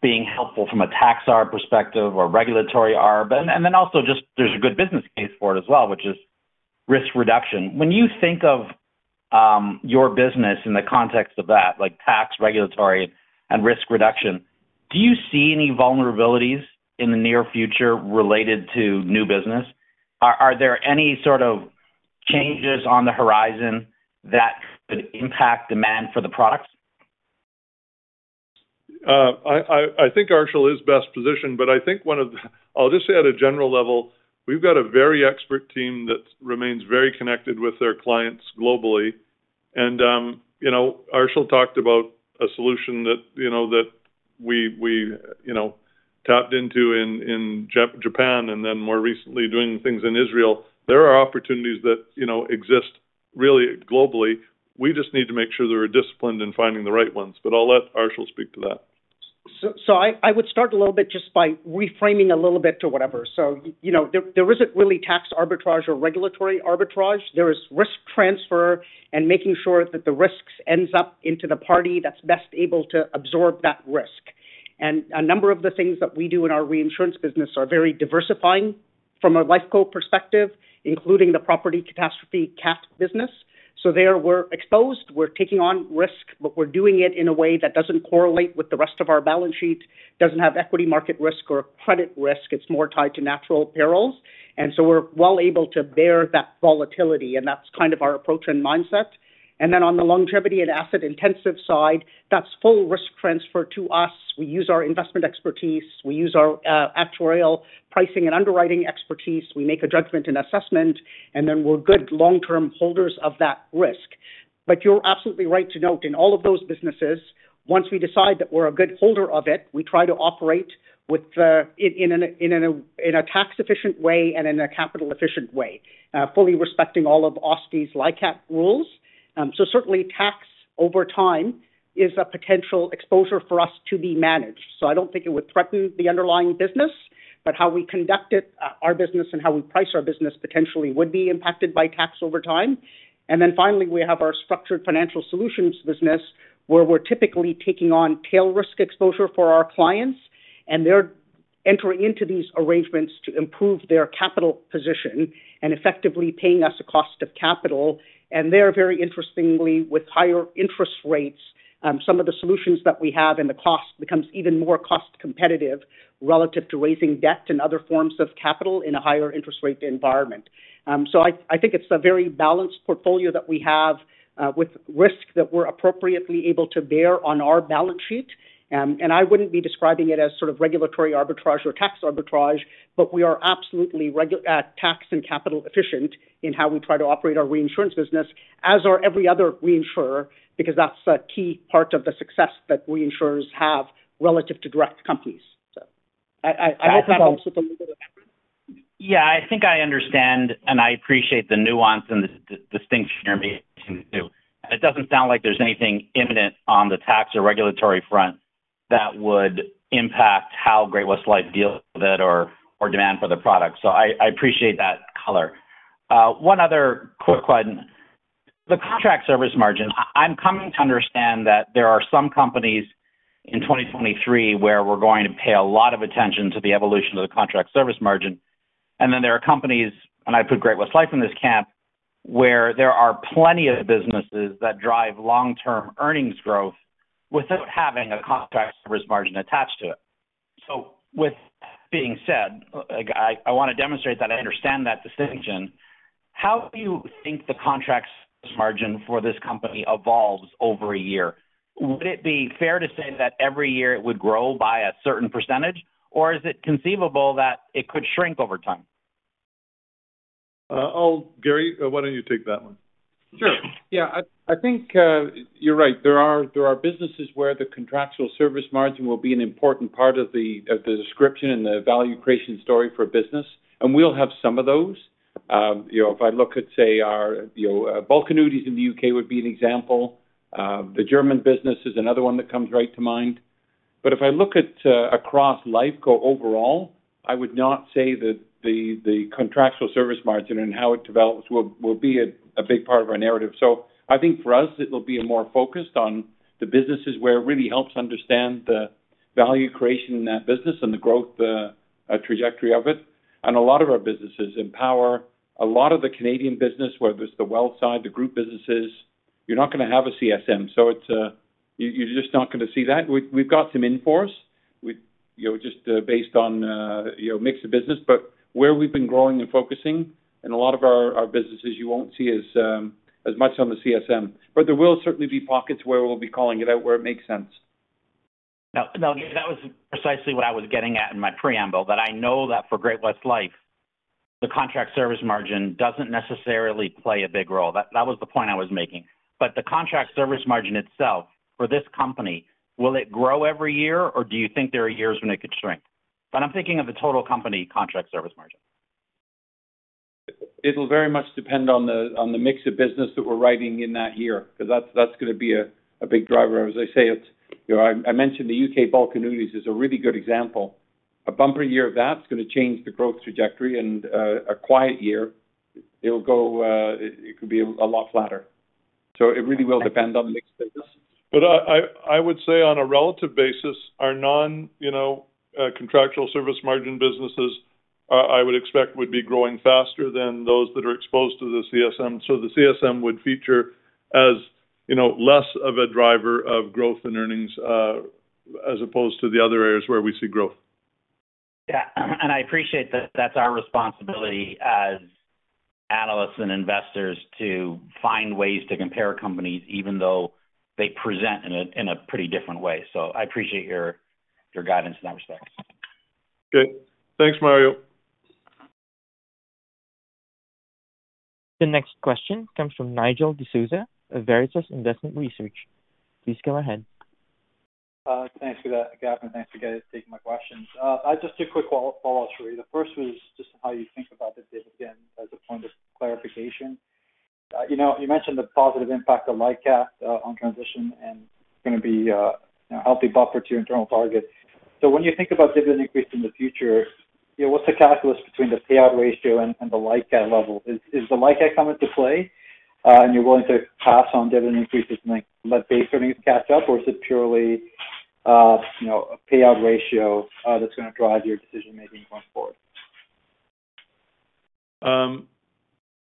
being helpful from a tax AR perspective or regulatory arb. Then also just there's a good business case for it as well, which is risk reduction. When you think of your business in the context of that, like tax, regulatory, and risk reduction, do you see any vulnerabilities in the near future related to new business? Are there any sort of changes on the horizon that could impact demand for the products? I think Arshil is best positioned, but I think I'll just say at a general level, we've got a very expert team that remains very connected with their clients globally. You know, Arshil talked about a solution that, you know, that we, you know, tapped into in Japan and then more recently doing things in Israel. There are opportunities that, you know, exist really globally. We just need to make sure they're disciplined in finding the right ones. I'll let Arshil speak to that. I would start a little bit just by reframing a little bit. You know, there isn't really tax arbitrage or regulatory arbitrage. There is risk transfer and making sure that the risks ends up into the party that's best able to absorb that risk. A number of the things that we do in our reinsurance business are very diversifying from a Lifeco perspective, including the property catastrophe cat business. There, we're exposed, we're taking on risk, but we're doing it in a way that doesn't correlate with the rest of our balance sheet, doesn't have equity market risk or credit risk. It's more tied to natural perils. We're well able to bear that volatility, and that's kind of our approach and mindset. Then on the longevity and asset intensive side, that's full risk transfer to us. We use our investment expertise. We use our actuarial pricing and underwriting expertise. We make a judgment and assessment, and then we're good long-term holders of that risk. You're absolutely right to note in all of those businesses. Once we decide that we're a good holder of it, we try to operate with, in a tax-efficient way and in a capital-efficient way, fully respecting all of OSFI's LICAT rules. Certainly tax over time is a potential exposure for us to be managed. I don't think it would threaten the underlying business, but how we conduct it, our business and how we price our business potentially would be impacted by tax over time. Finally, we have our structured financial solutions business where we're typically taking on tail risk exposure for our clients, and they're entering into these arrangements to improve their capital position and effectively paying us the cost of capital. They're very interestingly, with higher interest rates, some of the solutions that we have and the cost becomes even more cost competitive relative to raising debt and other forms of capital in a higher interest rate environment. I think it's a very balanced portfolio that we have, with risk that we're appropriately able to bear on our balance sheet. I wouldn't be describing it as sort of regulatory arbitrage or tax arbitrage, but we are absolutely tax and capital efficient in how we try to operate our reinsurance business, as are every other reinsurer, because that's a key part of the success that reinsurers have relative to direct companies. I hope that also delivers. Yeah, I think I understand, and I appreciate the nuance and the distinction you're making, too. It doesn't sound like there's anything imminent on the tax or regulatory front that would impact how Great-West Lifeco deals with it or demand for the product. I appreciate that color. One other quick question. The contractual service margin. I'm coming to understand that there are some companies in 2023 where we're going to pay a lot of attention to the evolution of the contractual service margin. There are companies, and I put Great-West Lifeco in this camp, where there are plenty of businesses that drive long-term earnings growth without having a contractual service margin attached to it. With that being said, like, I wanna demonstrate that I understand that distinction. How do you think the contracts margin for this company evolves over a year? Would it be fair to say that every year it would grow by a certain percentage, or is it conceivable that it could shrink over time? Oh, Garry, why don't you take that one? Sure. Yeah. I think, you're right. There are, there are businesses where the contractual service margin will be an important part of the, of the description and the value creation story for business, and we'll have some of those. You know, if I look at, say, our, you know, bulk annuities in the U.K. would be an example. The German business is another one that comes right to mind. If I look at across Lifeco overall, I would not say that the contractual service margin and how it develops will be a big part of our narrative. I think for us, it'll be more focused on the businesses where it really helps understand the value creation in that business and the growth trajectory of it. A lot of our businesses in Empower, a lot of the Canadian business, whether it's the wealth side, the group businesses, you're not gonna have a CSM. It's, you're just not gonna see that. We've got some in force. We, you know, just, based on, you know, mix of business. Where we've been growing and focusing in a lot of our businesses, you won't see as much on the CSM. There will certainly be pockets where we'll be calling it out where it makes sense. No, no, that was precisely what I was getting at in my preamble, that I know that for Great-West Lifeco, the contractual service margin doesn't necessarily play a big role. That was the point I was making. The contractual service margin itself for this company, will it grow every year, or do you think there are years when it could shrink? I'm thinking of the total company contractual service margin. It'll very much depend on the mix of business that we're writing in that year, because that's gonna be a big driver. As I say, it's, you know, I mentioned the U.K. bulk annuities is a really good example. A bumper year of that is gonna change the growth trajectory, a quiet year, it will go, it could be a lot flatter. It really will depend on the mix business. I would say on a relative basis, our non, you know, contractual service margin businesses, I would expect would be growing faster than those that are exposed to the CSM. The CSM would feature as, you know, less of a driver of growth in earnings, as opposed to the other areas where we see growth. Yeah. I appreciate that that's our responsibility as analysts and investors to find ways to compare companies even though they present in a, in a pretty different way. I appreciate your guidance in that respect. Good. Thanks, Mario. The next question comes from Nigel D'Souza of Veritas Investment Research. Please go ahead. Thanks for that. Thanks for, guys taking my questions. I just two quick follow-ups for you. The first was just how you think about the dividend as a point of clarification. You know, you mentioned the positive impact of LICAT on transition and gonna be a healthy buffer to your internal targets. When you think about dividend increase in the future, you know, what's the calculus between the payout ratio and the LICAT level? Is the LICAT coming to play and you're willing to pass on dividend increases and, like, let base earnings catch up? Is it purely, you know, a payout ratio that's gonna drive your decision-making going forward?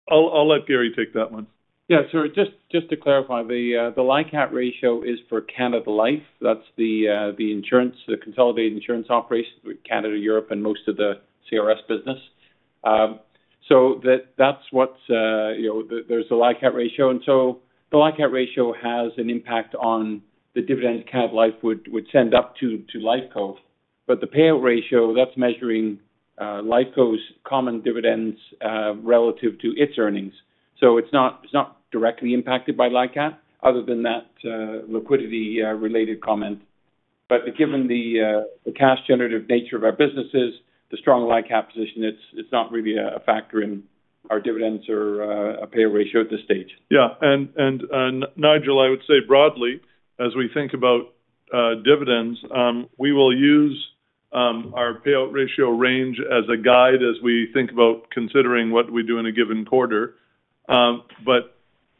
I'll let Garry take that one. Just to clarify, the LICAT ratio is for Canada Life. That's the insurance, the consolidated insurance operations with Canada, Europe, and most of the CRS business. That's what's, you know, there's the LICAT ratio. The LICAT ratio has an impact on the dividend Canada Life would send up to Lifeco. The payout ratio, that's measuring Lifeco's common dividends relative to its earnings. It's not directly impacted by LICAT other than that liquidity related comment. Given the cash generative nature of our businesses, the strong LICAT position, it's not really a factor in our dividends or a payout ratio at this stage. Yeah. Nigel, I would say broadly, as we think about dividends, we will use our payout ratio range as a guide as we think about considering what we do in a given quarter.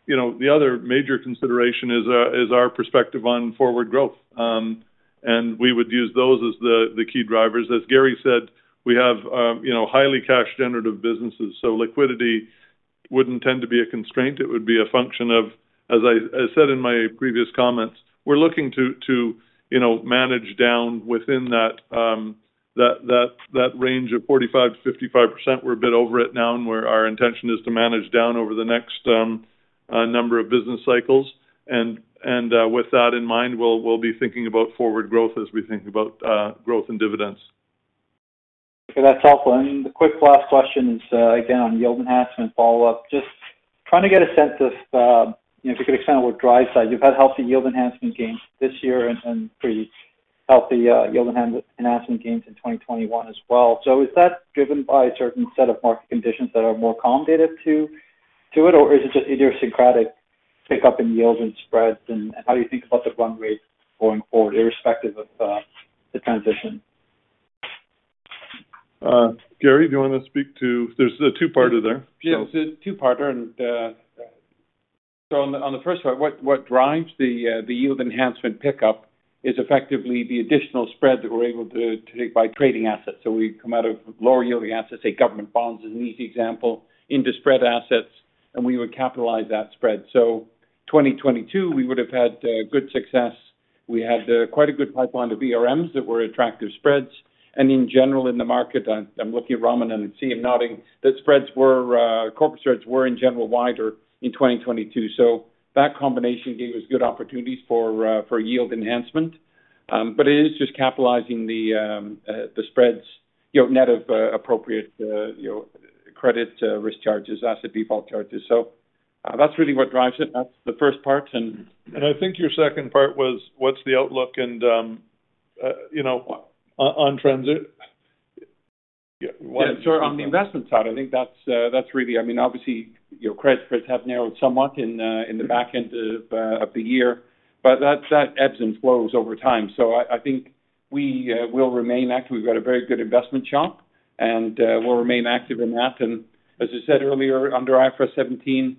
You know, the other major consideration is our perspective on forward growth. We would use those as the key drivers. As Garry said, we have, you know, highly cash generative businesses. Liquidity wouldn't tend to be a constraint. It would be a function of, as I, as I said in my previous comments, we're looking to, you know, manage down within that range of 45%-55%. We're a bit over it now, and our intention is to manage down over the next number of business cycles. With that in mind, we'll be thinking about forward growth as we think about growth and dividends. Okay. That's helpful. The quick last question is, again, on yield enhancement follow-up. Just trying to get a sense of, you know, if you could expand on what drives that. You've had healthy yield enhancement gains this year and pretty healthy yield enhancement gains in 2021 as well. Is that driven by a certain set of market conditions that are more accommodative to it, or is it just idiosyncratic pickup in yields and spreads and how do you think about the run rate going forward, irrespective of the transition? Garry, do you wanna speak to. There's a two-parter there. It's a two-parter on the first part, what drives the yield enhancement pickup is effectively the additional spread that we're able to take by trading assets. We come out of lower yielding assets, say government bonds is an easy example, into spread assets, we would capitalize that spread. 2022, we would have had good success. We had quite a good pipeline of ERMs that were attractive spreads. In general, in the market, I'm looking at Raman and I see him nodding, that corporate spreads were in general wider in 2022. That combination gave us good opportunities for yield enhancement. It is just capitalizing the spreads, you know, net of appropriate, you know, credit risk charges, asset default charges. That's really what drives it. That's the first part. I think your second part was what's the outlook and, you know, on transit. Yeah. Yeah. Sure. On the investment side, I think that's really, I mean, obviously, you know, credit spreads have narrowed somewhat in the back end of the year, but that ebbs and flows over time. I think we will remain active. We've got a very good investment shop, and, we'll remain active in that. As I said earlier, under IFRS 17,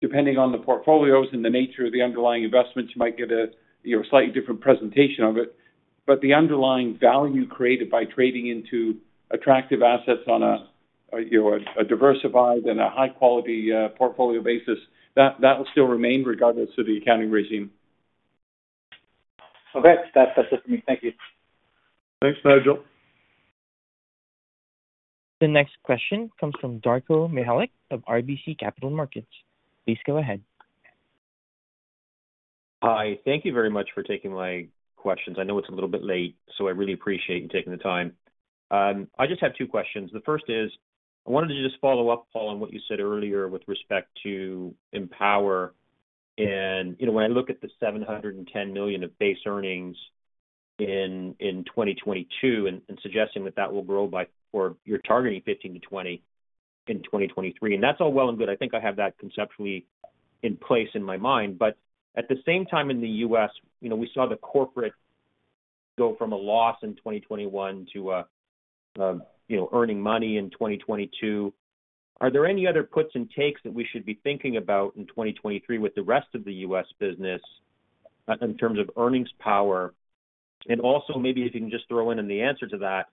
depending on the portfolios and the nature of the underlying investments, you might get a, you know, slightly different presentation of it, but the underlying value created by trading into attractive assets on a, you know, a diversified and a high-quality, portfolio basis, that will still remain regardless of the accounting regime. Okay. That's it for me. Thank you. Thanks, Nigel. The next question comes from Darko Mihelic of RBC Capital Markets. Please go ahead. Hi. Thank you very much for taking my questions. I know it's a little bit late, so I really appreciate you taking the time. I just have two questions. The first is, I wanted to just follow up, Paul, on what you said earlier with respect to Empower. You know, when I look at the 710 million of base earnings in 2022 and suggesting that that will grow by, or you're targeting 15%-20% in 2023, and that's all well and good. I think I have that conceptually in place in my mind. At the same time in the U.S., you know, we saw the corporate go from a loss in 2021 to, you know, earning money in 2022. Are there any other puts and takes that we should be thinking about in 2023 with the rest of the U.S. business in terms of earnings power? Also maybe if you can just throw in the answer to that,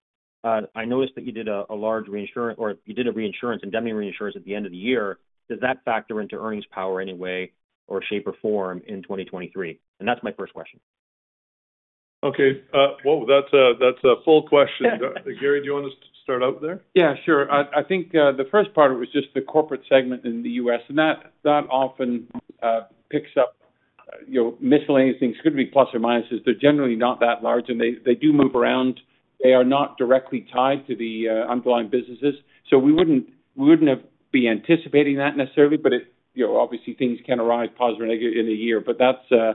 I noticed that you did a large reinsurance, or you did a reinsurance and demi reinsurance at the end of the year. Does that factor into earnings power in any way or shape or form in 2023? That's my first question. Okay. Whoa, that's a, that's a full question. Garry, do you want to start out there? Yeah, sure. I think the first part was just the corporate segment in the U.S., and that often picks up, you know, miscellaneous things. Could be plus or minuses. They're generally not that large, and they do move around. They are not directly tied to the underlying businesses. We wouldn't be anticipating that necessarily, but it. You know, obviously things can arise positive or negative in a year, but that's,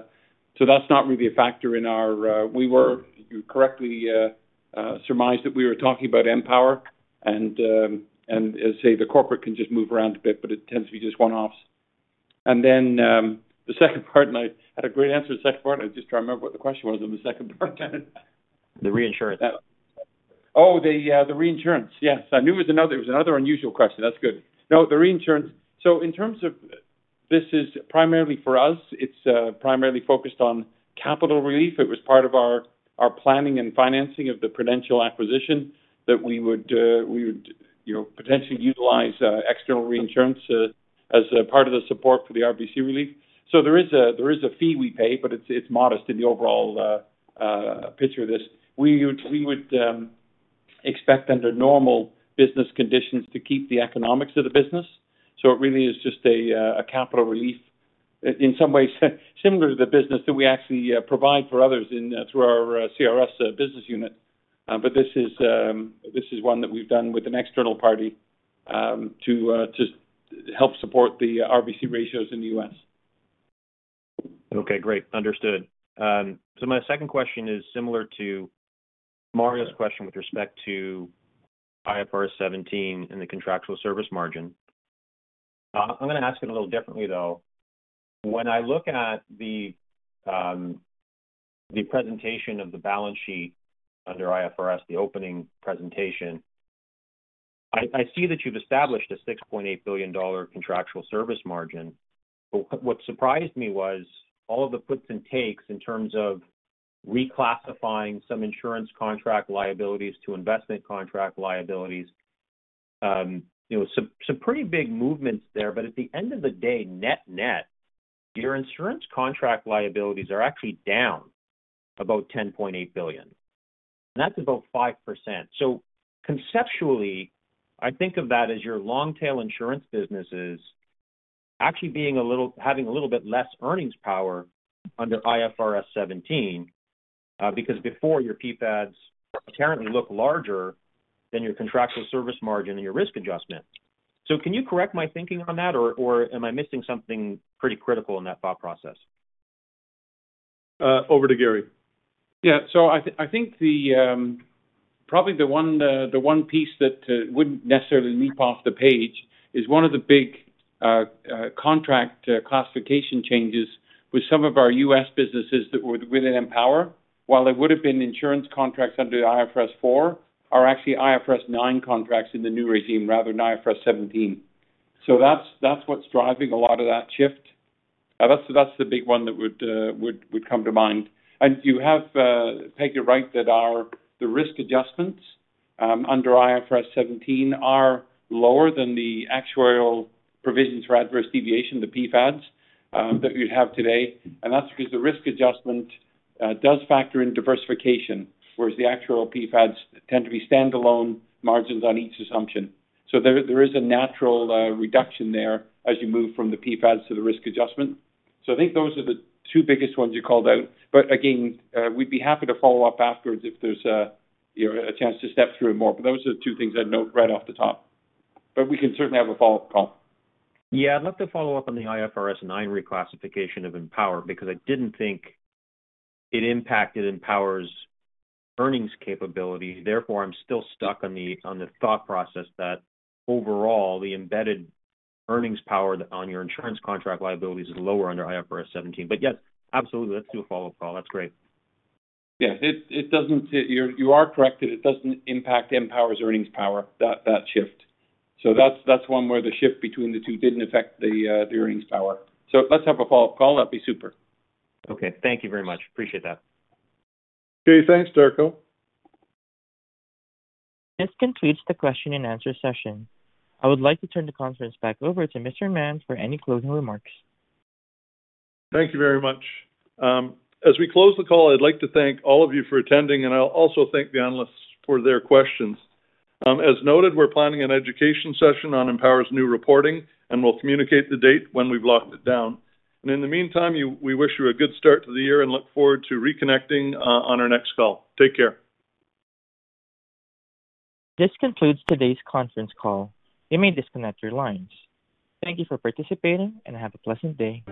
so that's not really a factor in our. We were, you correctly surmised that we were talking about Empower and, as say the corporate can just move around a bit, but it tends to be just one-offs. The second part. I had a great answer to the second part. I'm just trying to remember what the question was on the second part. The reinsurance. Oh, the reinsurance. Yes. I knew it was another unusual question. That's good. No, the reinsurance. In terms of this is primarily for us, it's primarily focused on capital relief. It was part of our planning and financing of the Prudential acquisition that we would, you know, potentially utilize external reinsurance as a part of the support for the RBC relief. There is a fee we pay, but it's modest in the overall picture of this. We would expect under normal business conditions to keep the economics of the business. It really is just a capital relief in some ways similar to the business that we actually provide for others through our CRS business unit. This is one that we've done with an external party to help support the RBC ratios in the U.S. Okay, great. Understood. My second question is similar to Mario's question with respect to IFRS 17 and the contractual service margin. I'm gonna ask it a little differently though. When I look at the presentation of the balance sheet under IFRS, the opening presentation, I see that you've established a 6.8 billion dollar contractual service margin. What surprised me was all of the puts and takes in terms of reclassifying some insurance contract liabilities to investment contract liabilities. You know, some pretty big movements there. At the end of the day, net-net, your insurance contract liabilities are actually down about 10.8 billion, and that's about 5%. Conceptually, I think of that as your long-tail insurance businesses actually having a little bit less earnings power under IFRS 17 because before your PfADs apparently look larger than your contractual service margin and your risk adjustment. Can you correct my thinking on that or am I missing something pretty critical in that thought process? Over to Garry. Yeah. I think the probably the one piece that wouldn't necessarily leap off the page is one of the big contract classification changes with some of our U.S. businesses that were within Empower. While they would have been insurance contracts under IFRS 4 are actually IFRS 9 contracts in the new regime rather than IFRS 17. That's what's driving a lot of that shift. That's the big one that would come to mind. You have taken it right that the risk adjustments under IFRS 17 are lower than the actuarial provisions for adverse deviation, the PfADs that we'd have today. That's because the risk adjustment does factor in diversification, whereas the actual PfADs tend to be standalone margins on each assumption. There is a natural reduction there as you move from the PfADs to the risk adjustment. I think those are the two biggest ones you called out. Again, we'd be happy to follow up afterwards if there's a, you know, a chance to step through it more. Those are the two things I'd note right off the top. We can certainly have a follow-up call. Yeah, I'd love to follow up on the IFRS 9 reclassification of Empower because I didn't think it impacted Empower's earnings capability. Therefore, I'm still stuck on the, on the thought process that overall the embedded earnings power on your insurance contract liabilities is lower under IFRS 17. Yes, absolutely. Let's do a follow-up call. That's great. Yes. You are correct that it doesn't impact Empower's earnings power, that shift. That's one where the shift between the two didn't affect the earnings power. Let's have a follow-up call. That'd be super. Okay. Thank you very much. Appreciate that. Okay. Thanks, Darko. This concludes the question and answer session. I would like to turn the conference back over to Mr. Mahon for any closing remarks. Thank you very much. As we close the call, I'd like to thank all of you for attending. I'll also thank the analysts for their questions. As noted, we're planning an education session on Empower's new reporting. We'll communicate the date when we've locked it down. In the meantime, we wish you a good start to the year and look forward to reconnecting on our next call. Take care. This concludes today's conference call. You may disconnect your lines. Thank you for participating and have a pleasant day.